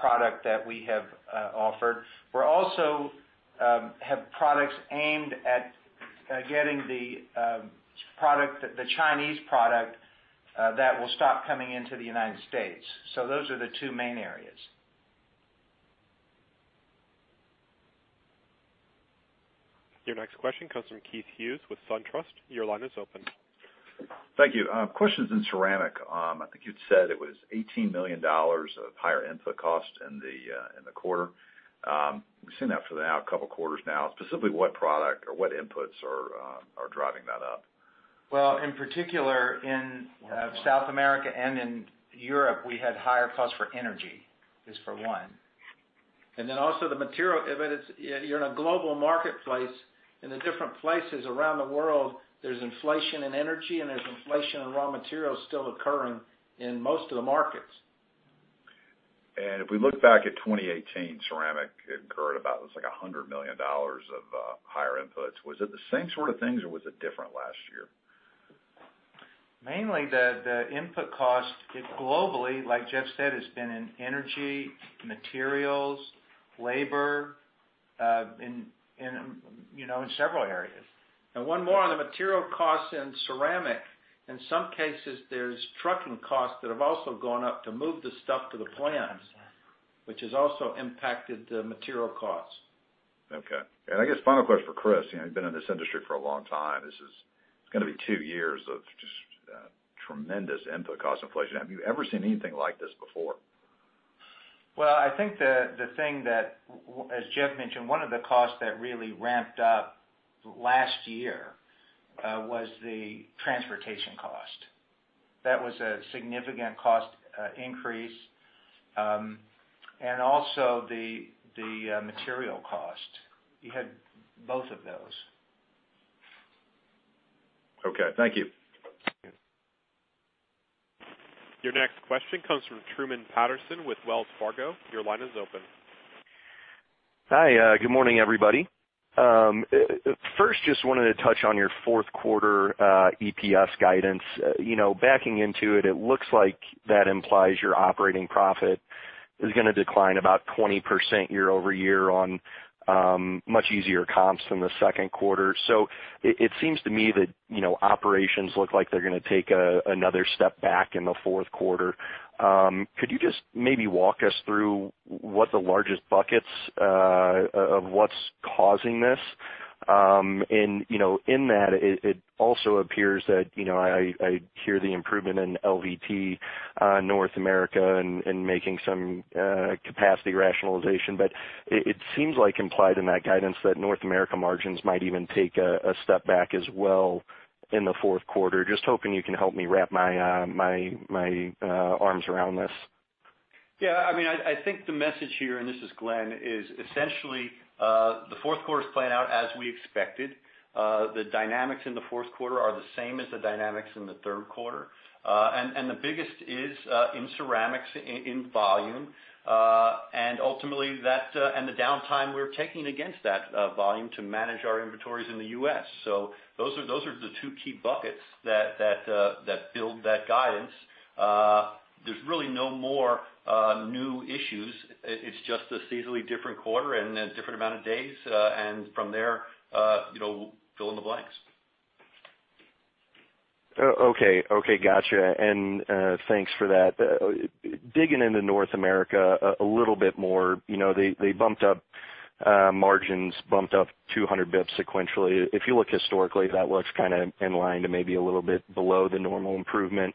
product that we have offered. We also have products aimed at getting the Chinese product that will stop coming into the United States. Those are the two main areas. Your next question comes from Keith Hughes with SunTrust. Your line is open. Thank you. Question is in ceramic. I think you'd said it was $18 million of higher input cost in the quarter. We've seen that for now a couple quarters now. Specifically, what product or what inputs are driving that up? Well, in particular, in South America and in Europe, we had higher costs for energy is for one, also the material. You're in a global marketplace. In the different places around the world, there's inflation in energy and there's inflation in raw materials still occurring in most of the markets. If we look back at 2018, ceramic incurred about, it was like $100 million of higher inputs. Was it the same sort of things or was it different last year? Mainly the input cost globally, like Jeff said, has been in energy, materials, labor, in several areas. One more on the material costs in ceramic. In some cases, there's trucking costs that have also gone up to move the stuff to the plants, which has also impacted the material costs. Okay. I guess final question for Chris. You've been in this industry for a long time. This is going to be two years of just tremendous input cost inflation. Have you ever seen anything like this before? Well, I think the thing that, as Jeff mentioned, one of the costs that really ramped up last year was the transportation cost. That was a significant cost increase, also the material cost. You had both of those. Okay. Thank you. Your next question comes from Truman Patterson with Wells Fargo. Your line is open. Hi. Good morning, everybody. First, just wanted to touch on your fourth quarter EPS guidance. Backing into it looks like that implies your operating profit is going to decline about 20% year-over-year on much easier comps than the second quarter. It seems to me that operations look like they're going to take another step back in the fourth quarter. Could you just maybe walk us through what the largest buckets of what's causing this? In that, it also appears that I hear the improvement in LVT North America and making some capacity rationalization. It seems like implied in that guidance that North America margins might even take a step back as well in the fourth quarter. Just hoping you can help me wrap my arms around this. Yeah, I think the message here, and this is Glenn, is essentially the fourth quarter is playing out as we expected. The dynamics in the fourth quarter are the same as the dynamics in the third quarter. The biggest is in ceramics in volume, and ultimately the downtime we're taking against that volume to manage our inventories in the U.S. Those are the two key buckets that build that guidance. There's really no more new issues. It's just a seasonally different quarter and a different amount of days, and from there fill in the blanks. Okay, got you. Thanks for that. Digging into North America a little bit more. They bumped up margins, bumped up 200 basis points sequentially. If you look historically, that looks kind of in line to maybe a little bit below the normal improvement.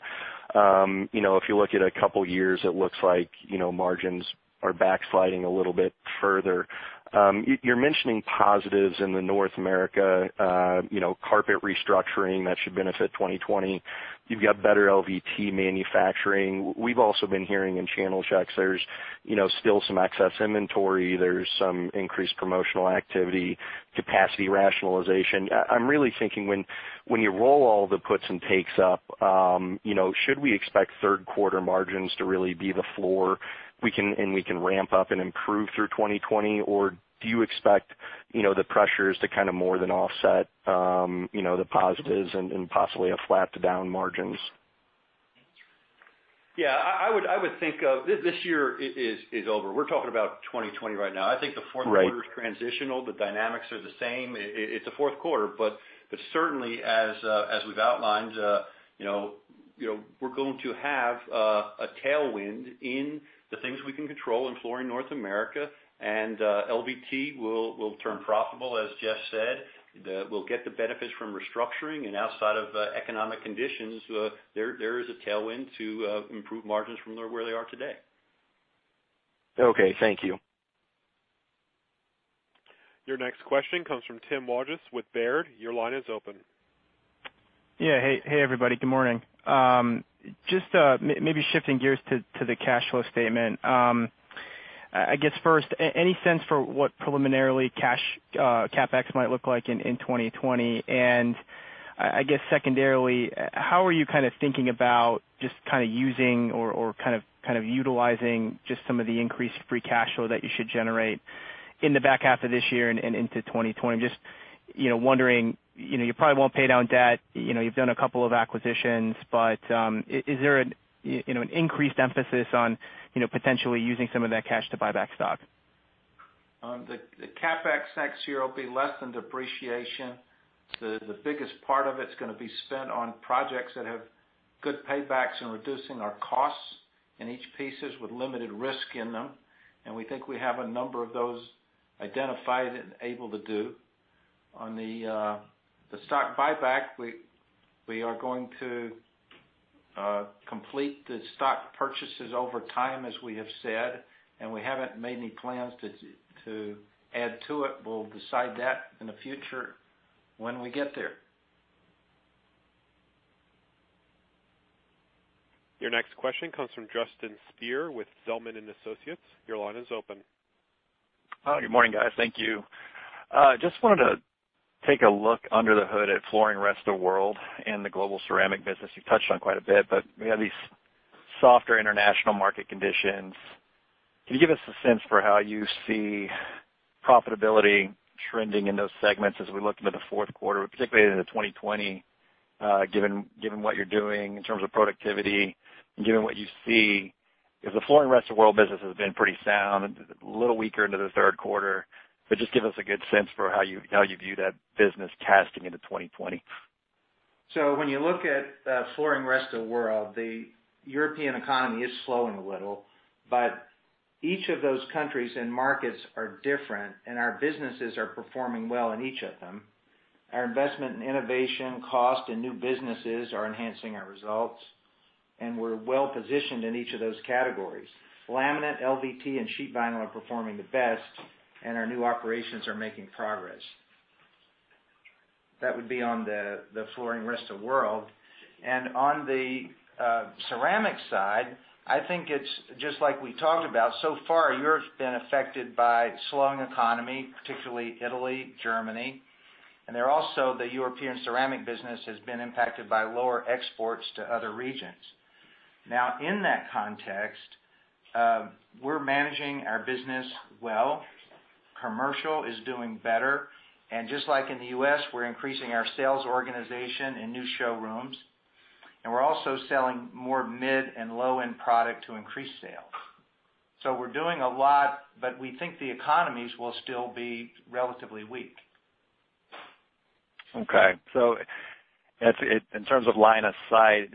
If you look at a couple of years, it looks like margins are backsliding a little bit further. You're mentioning positives in the North America carpet restructuring that should benefit 2020. You've got better LVT manufacturing. We've also been hearing in channel checks there's still some excess inventory, there's some increased promotional activity, capacity rationalization. I'm really thinking when you roll all the puts and takes up, should we expect third quarter margins to really be the floor, and we can ramp up and improve through 2020? Do you expect the pressures to kind of more than offset the positives and possibly have flat to down margins? Yeah, I would think of this year is over. We're talking about 2020 right now. I think the fourth quarter. Right. Is transitional. The dynamics are the same. It's the fourth quarter. Certainly as we've outlined, we're going to have a tailwind in the things we can control in Flooring North America, and LVT will turn profitable, as Jeff said. We'll get the benefits from restructuring, and outside of economic conditions, there is a tailwind to improve margins from where they are today. Okay, thank you. Your next question comes from Tim Wojs with Baird. Your line is open. Yeah. Hey, everybody. Good morning. Just maybe shifting gears to the cash flow statement. I guess first, any sense for what preliminarily cash CapEx might look like in 2020? I guess secondarily, how are you kind of thinking about just kind of using or kind of utilizing just some of the increased free cash flow that you should generate in the back half of this year and into 2020? I'm just wondering, you probably won't pay down debt. You've done a couple of acquisitions, but is there an increased emphasis on potentially using some of that cash to buy back stock? The CapEx next year will be less than depreciation. The biggest part of it's going to be spent on projects that have good paybacks in reducing our costs in each piece with limited risk in them. We think we have a number of those identified and able to do. On the stock buyback, we are going to complete the stock purchases over time, as we have said, and we haven't made any plans to add to it. We'll decide that in the future when we get there. Your next question comes from Justin Speer with Zelman & Associates. Your line is open. Hi, good morning, guys. Thank you. Just wanted to take a look under the hood at Flooring Rest of World and the Global Ceramic business you touched on quite a bit, but we have these softer international market conditions. Can you give us a sense for how you see profitability trending in those segments as we look into the fourth quarter, particularly into 2020, given what you're doing in terms of productivity and given what you see? The Flooring Rest of World business has been pretty sound, a little weaker into the third quarter, but just give us a good sense for how you view that business casting into 2020. When you look at Flooring Rest of World, the European economy is slowing a little, but each of those countries and markets are different, and our businesses are performing well in each of them. Our investment in innovation, cost, and new businesses are enhancing our results, and we're well-positioned in each of those categories. Laminate, LVT, and sheet vinyl are performing the best, and our new operations are making progress. That would be on the Flooring Rest of World. On the ceramic side, I think it's just like we talked about. Far, Europe's been affected by slowing economy, particularly Italy, Germany, and also the European ceramic business has been impacted by lower exports to other regions. In that context, we're managing our business well. Commercial is doing better. Just like in the U.S., we're increasing our sales organization and new showrooms, and we're also selling more mid- and low-end product to increase sales. We're doing a lot, but we think the economies will still be relatively weak. In terms of line of sight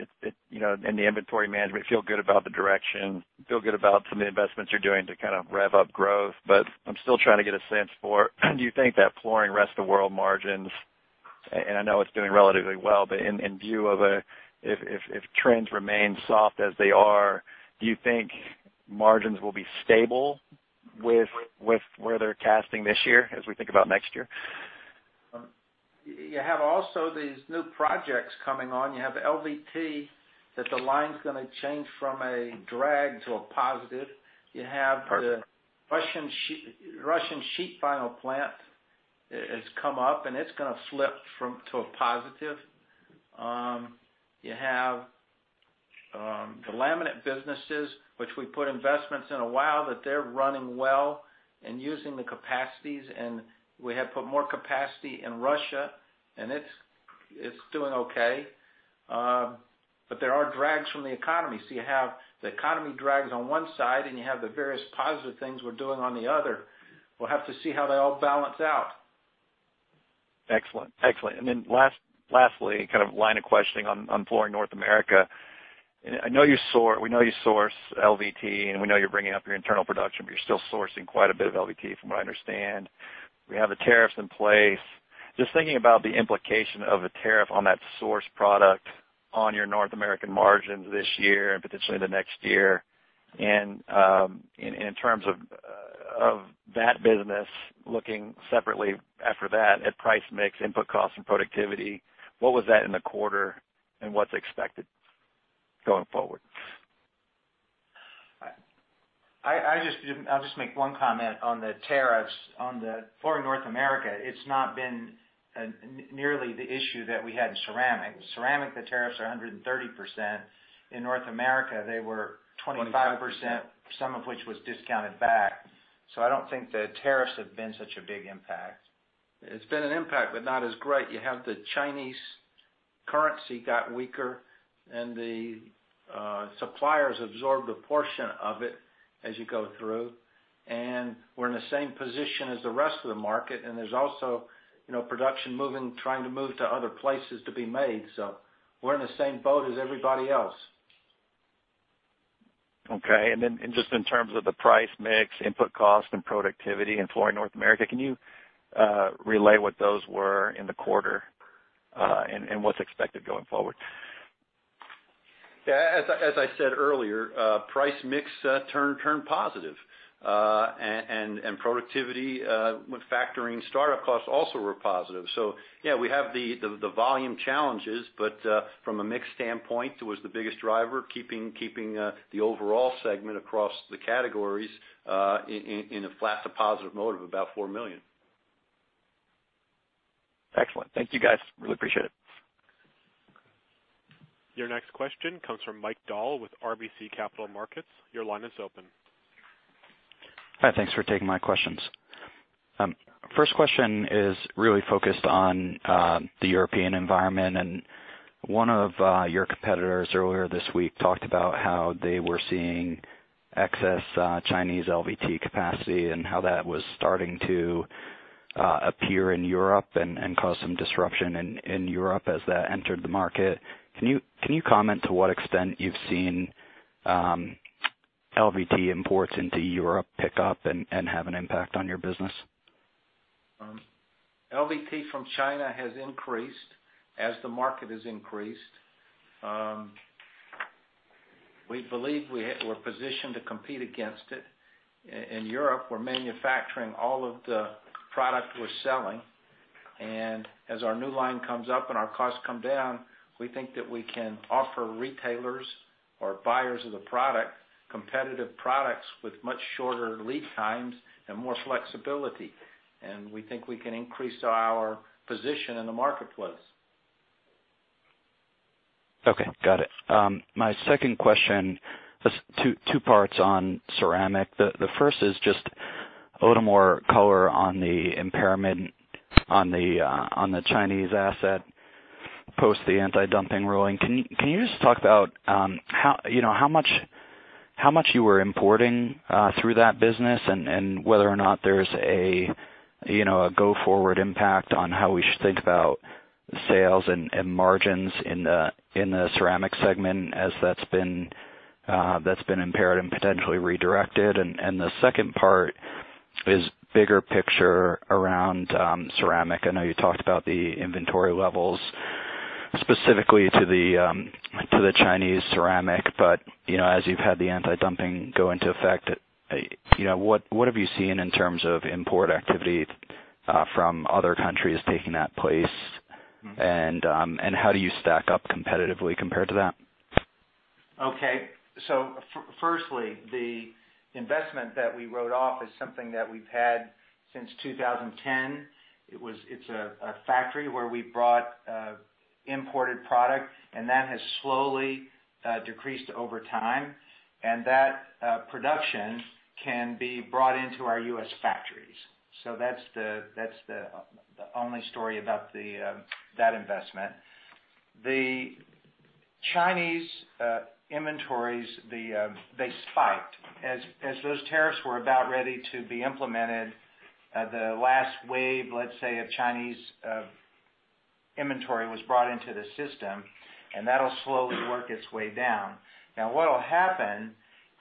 in the inventory management, feel good about the direction, feel good about some of the investments you're doing to kind of rev up growth. I'm still trying to get a sense for, do you think that Flooring Rest of World margins, and I know it's doing relatively well, but if trends remain soft as they are, do you think margins will be stable with where they're casting this year as we think about next year? You have also these new projects coming on. You have LVT, that the line's going to change from a drag to a positive. Perfect. You have the Russian sheet vinyl plant has come up. It's going to flip to a positive. You have the laminate businesses, which we put investments in a while, that they're running well and using the capacities. We have put more capacity in Russia. It's doing okay. There are drags from the economy. You have the economy drags on one side. You have the various positive things we're doing on the other. We'll have to see how they all balance out. Excellent. Then lastly, kind of line of questioning on Flooring North America. We know you source LVT, and we know you're bringing up your internal production, but you're still sourcing quite a bit of LVT from what I understand. We have the tariffs in place. Just thinking about the implication of a tariff on that sourced product on your North American margins this year and potentially the next year. In terms of that business, looking separately after that at price mix, input costs, and productivity, what was that in the quarter and what's expected going forward? I'll just make one comment on the tariffs. On the Flooring North America, it has not been nearly the issue that we had in ceramic. Ceramic, the tariffs are 130%. In North America, they were 25%. Twenty-five some of which was discounted back. I don't think the tariffs have been such a big impact. It's been an impact, but not as great. The Chinese currency got weaker, and the suppliers absorbed a portion of it as you go through. We're in the same position as the rest of the market, and there's also production trying to move to other places to be made. We're in the same boat as everybody else. Okay. Just in terms of the price mix, input cost, and productivity in Flooring North America, can you relay what those were in the quarter and what's expected going forward? Yeah. As I said earlier, price mix turned positive, and productivity when factoring startup costs also were positive. Yeah, we have the volume challenges, but from a mix standpoint was the biggest driver, keeping the overall segment across the categories in a flat to positive mode of about $4 million. Excellent. Thank you, guys. Really appreciate it. Your next question comes from Mike Dahl with RBC Capital Markets. Your line is open. Hi, thanks for taking my questions. First question is really focused on the European environment. One of your competitors earlier this week talked about how they were seeing excess Chinese LVT capacity and how that was starting to appear in Europe and cause some disruption in Europe as that entered the market. Can you comment to what extent you've seen LVT imports into Europe pick up and have an impact on your business? LVT from China has increased as the market has increased. We believe we're positioned to compete against it. In Europe, we're manufacturing all of the product we're selling. As our new line comes up and our costs come down, we think that we can offer retailers or buyers of the product competitive products with much shorter lead times and more flexibility. We think we can increase our position in the marketplace. Okay, got it. My second question has two parts on ceramic. The first is just a little more color on the impairment on the Chinese asset post the anti-dumping ruling. Can you just talk about how much you were importing through that business and whether or not there's a go forward impact on how we should think about sales and margins in the ceramic segment as that's been impaired and potentially redirected? The second part is bigger picture around ceramic. As you've had the anti-dumping go into effect, what have you seen in terms of import activity from other countries taking that place? How do you stack up competitively compared to that? Okay. Firstly, the investment that we wrote off is something that we've had since 2010. It's a factory where we brought imported product, and that has slowly decreased over time, and that production can be brought into our U.S. factories. The Chinese inventories spiked as those tariffs were about ready to be implemented, the last wave, let's say, of Chinese inventory was brought into the system, and that'll slowly work its way down. What'll happen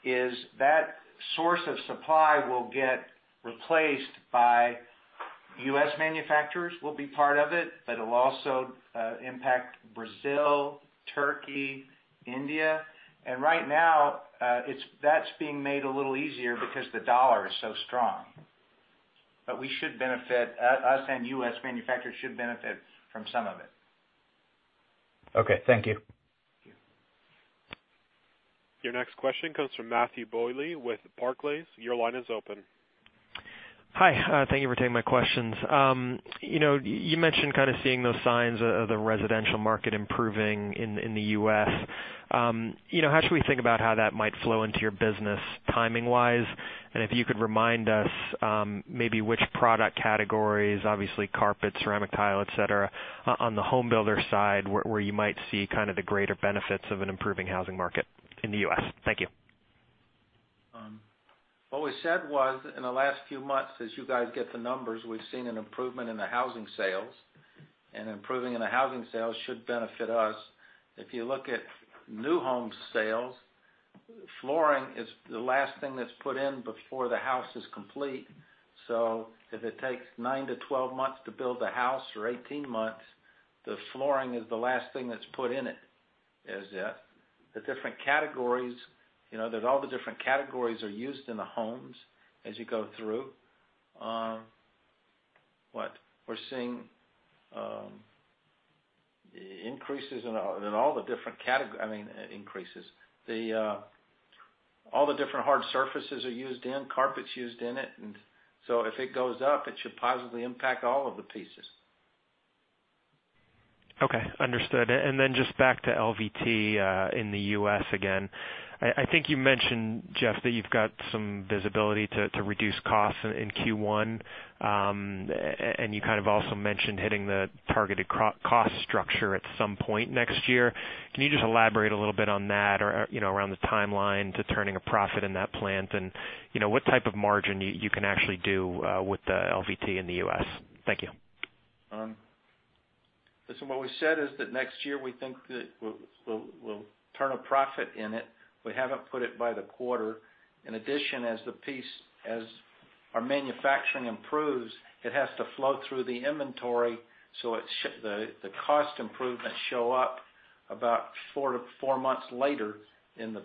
is that source of supply will get replaced by U.S. manufacturers will be part of it, but it'll also impact Brazil, Turkey, India. Right now, that's being made a little easier because the dollar is so strong. We should benefit, us and U.S. manufacturers should benefit from some of it. Okay, thank you. Thank you. Your next question comes from Matthew Bouley with Barclays. Your line is open. Hi. Thank you for taking my questions. You mentioned kind of seeing those signs of the residential market improving in the U.S. How should we think about how that might flow into your business timing-wise? If you could remind us maybe which product categories, obviously carpet, ceramic tile, et cetera, on the home builder side, where you might see kind of the greater benefits of an improving housing market in the U.S. Thank you. What we said was, in the last few months, as you guys get the numbers, we've seen an improvement in the housing sales. Improving in the housing sales should benefit us. If you look at new home sales, flooring is the last thing that's put in before the house is complete. If it takes 9-12 months to build a house or 18 months, the flooring is the last thing that's put in it. All the different categories are used in the homes as you go through. What we're seeing increases in all the different categories. I mean, all the different hard surfaces are used in, carpet's used in it. If it goes up, it should positively impact all of the pieces. Okay. Understood. Then just back to LVT in the U.S. again. I think you mentioned, Jeff, that you've got some visibility to reduce costs in Q1. You kind of also mentioned hitting the targeted cost structure at some point next year. Can you just elaborate a little bit on that or around the timeline to turning a profit in that plant and what type of margin you can actually do with the LVT in the U.S.? Thank you. Listen, what we said is that next year, we think that we'll turn a profit in it. We haven't put it by the quarter. As our manufacturing improves, it has to flow through the inventory, the cost improvements show up about four months later in the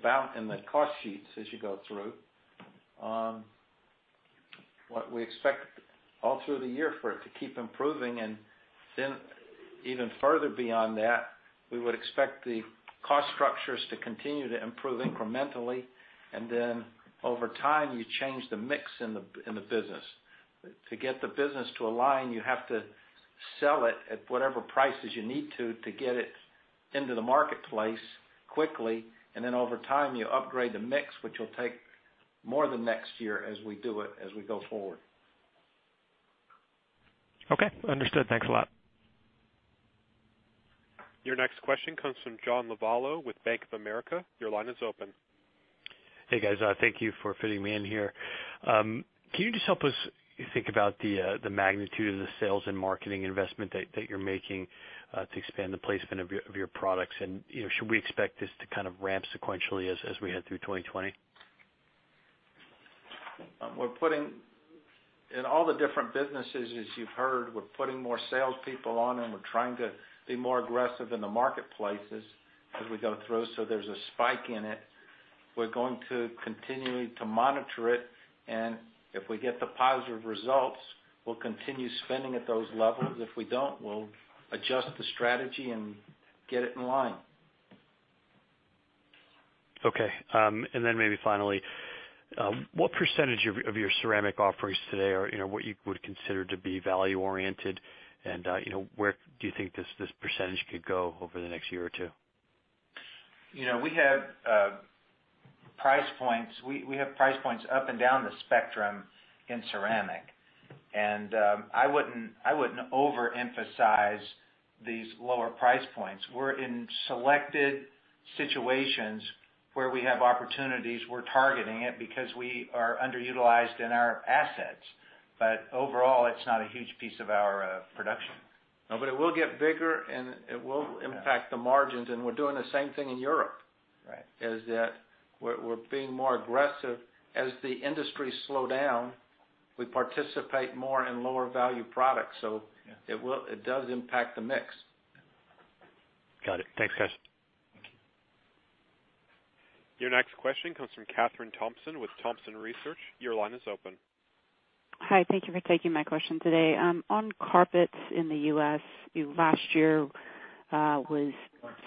cost sheets as you go through. We expect all through the year for it to keep improving, even further beyond that, we would expect the cost structures to continue to improve incrementally, over time, you change the mix in the business. To get the business to align, you have to sell it at whatever prices you need to to get it into the marketplace quickly, over time, you upgrade the mix, which will take more than next year as we do it, as we go forward. Okay, understood. Thanks a lot. Your next question comes from John Lovallo with Bank of America. Your line is open. Hey, guys. Thank you for fitting me in here. Can you just help us think about the magnitude of the sales and marketing investment that you're making to expand the placement of your products? Should we expect this to kind of ramp sequentially as we head through 2020? In all the different businesses, as you've heard, we're putting more salespeople on them. We're trying to be more aggressive in the marketplaces as we go through, so there's a spike in it. We're going to continue to monitor it, and if we get the positive results, we'll continue spending at those levels. If we don't, we'll adjust the strategy and get it in line. Okay. Maybe finally, what percentage of your ceramic offerings today are what you would consider to be value-oriented? Where do you think this percentage could go over the next year or two? We have price points up and down the spectrum in ceramic. I wouldn't overemphasize these lower price points. We're in selected situations where we have opportunities. We're targeting it because we are underutilized in our assets. Overall, it's not a huge piece of our production. No, it will get bigger, and it will impact the margins, and we're doing the same thing in Europe. Right. Is that we're being more aggressive. As the industries slow down, we participate more in lower value products. Yeah. It does impact the mix. Got it. Thanks, guys. Your next question comes from Kathryn Thompson with Thompson Research. Your line is open. Hi. Thank you for taking my question today. On carpets in the U.S., last year was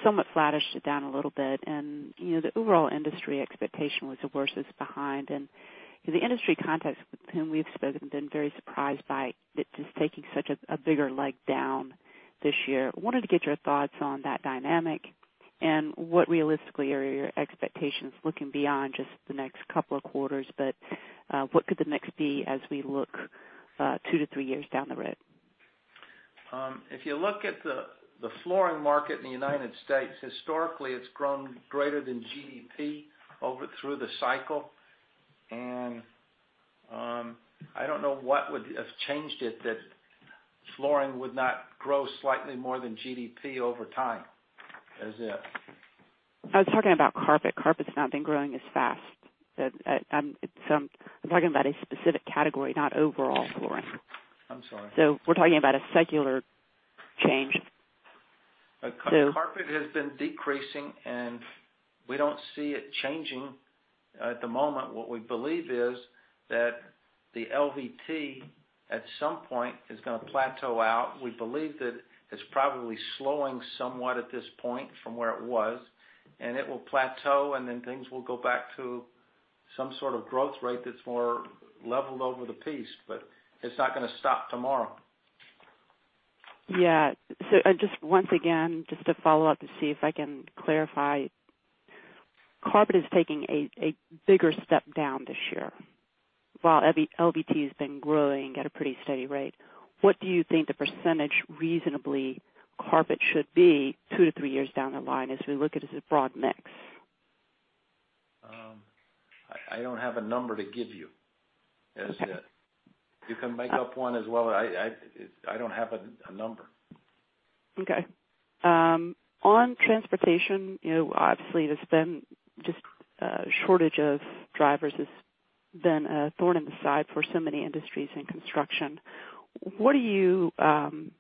somewhat flattish, down a little bit. The overall industry expectation was the worst is behind. The industry contacts with whom we've spoken have been very surprised by it just taking such a bigger leg down this year. Wanted to get your thoughts on that dynamic and what realistically are your expectations looking beyond just the next couple of quarters, but what could the mix be as we look two to three years down the road? If you look at the flooring market in the United States, historically, it's grown greater than GDP through the cycle. I don't know what would have changed it that flooring would not grow slightly more than GDP over time. That's it. I was talking about carpet. Carpet's not been growing as fast. I'm talking about a specific category, not overall flooring. I'm sorry. We're talking about a secular change. Carpet has been decreasing, and we don't see it changing at the moment. What we believe is that the LVT, at some point, is going to plateau out. We believe that it's probably slowing somewhat at this point from where it was, and it will plateau, and then things will go back to some sort of growth rate that's more leveled over the piece, but it's not going to stop tomorrow. Yeah. Once again, just to follow up to see if I can clarify. Carpet is taking a bigger step down this year while LVT has been growing at a pretty steady rate. What do you think the % reasonably carpet should be two to three years down the line as we look at as a broad mix? I don't have a number to give you. That's it. You can make up one as well. I don't have a number. Okay. On transportation, obviously, there's been just a shortage of drivers has been a thorn in the side for so many industries in construction. In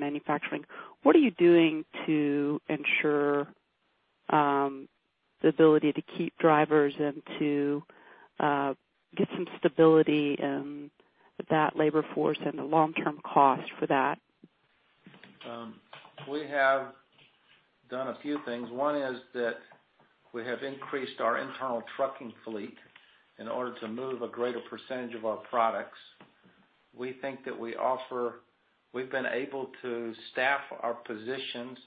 manufacturing, what are you doing to ensure the ability to keep drivers and to get some stability in that labor force and the long-term cost for that? We have done a few things. One is that we have increased our internal trucking fleet in order to move a greater percentage of our products. We think that we've been able to staff our positions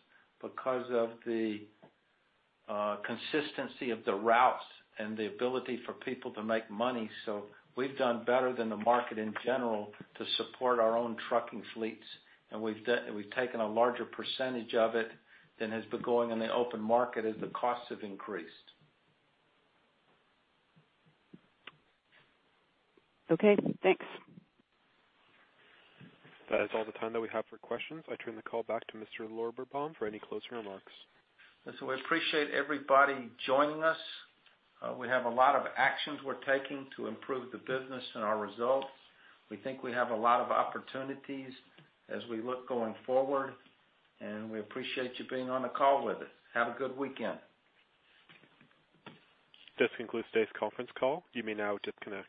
because of the consistency of the routes and the ability for people to make money. We've done better than the market in general to support our own trucking fleets, and we've taken a larger percentage of it than has been going in the open market as the costs have increased. Okay, thanks. That is all the time that we have for questions. I turn the call back to Mr. Lorberbaum for any closing remarks. Listen, we appreciate everybody joining us. We have a lot of actions we're taking to improve the business and our results. We think we have a lot of opportunities as we look going forward, and we appreciate you being on the call with us. Have a good weekend. This concludes today's conference call. You may now disconnect.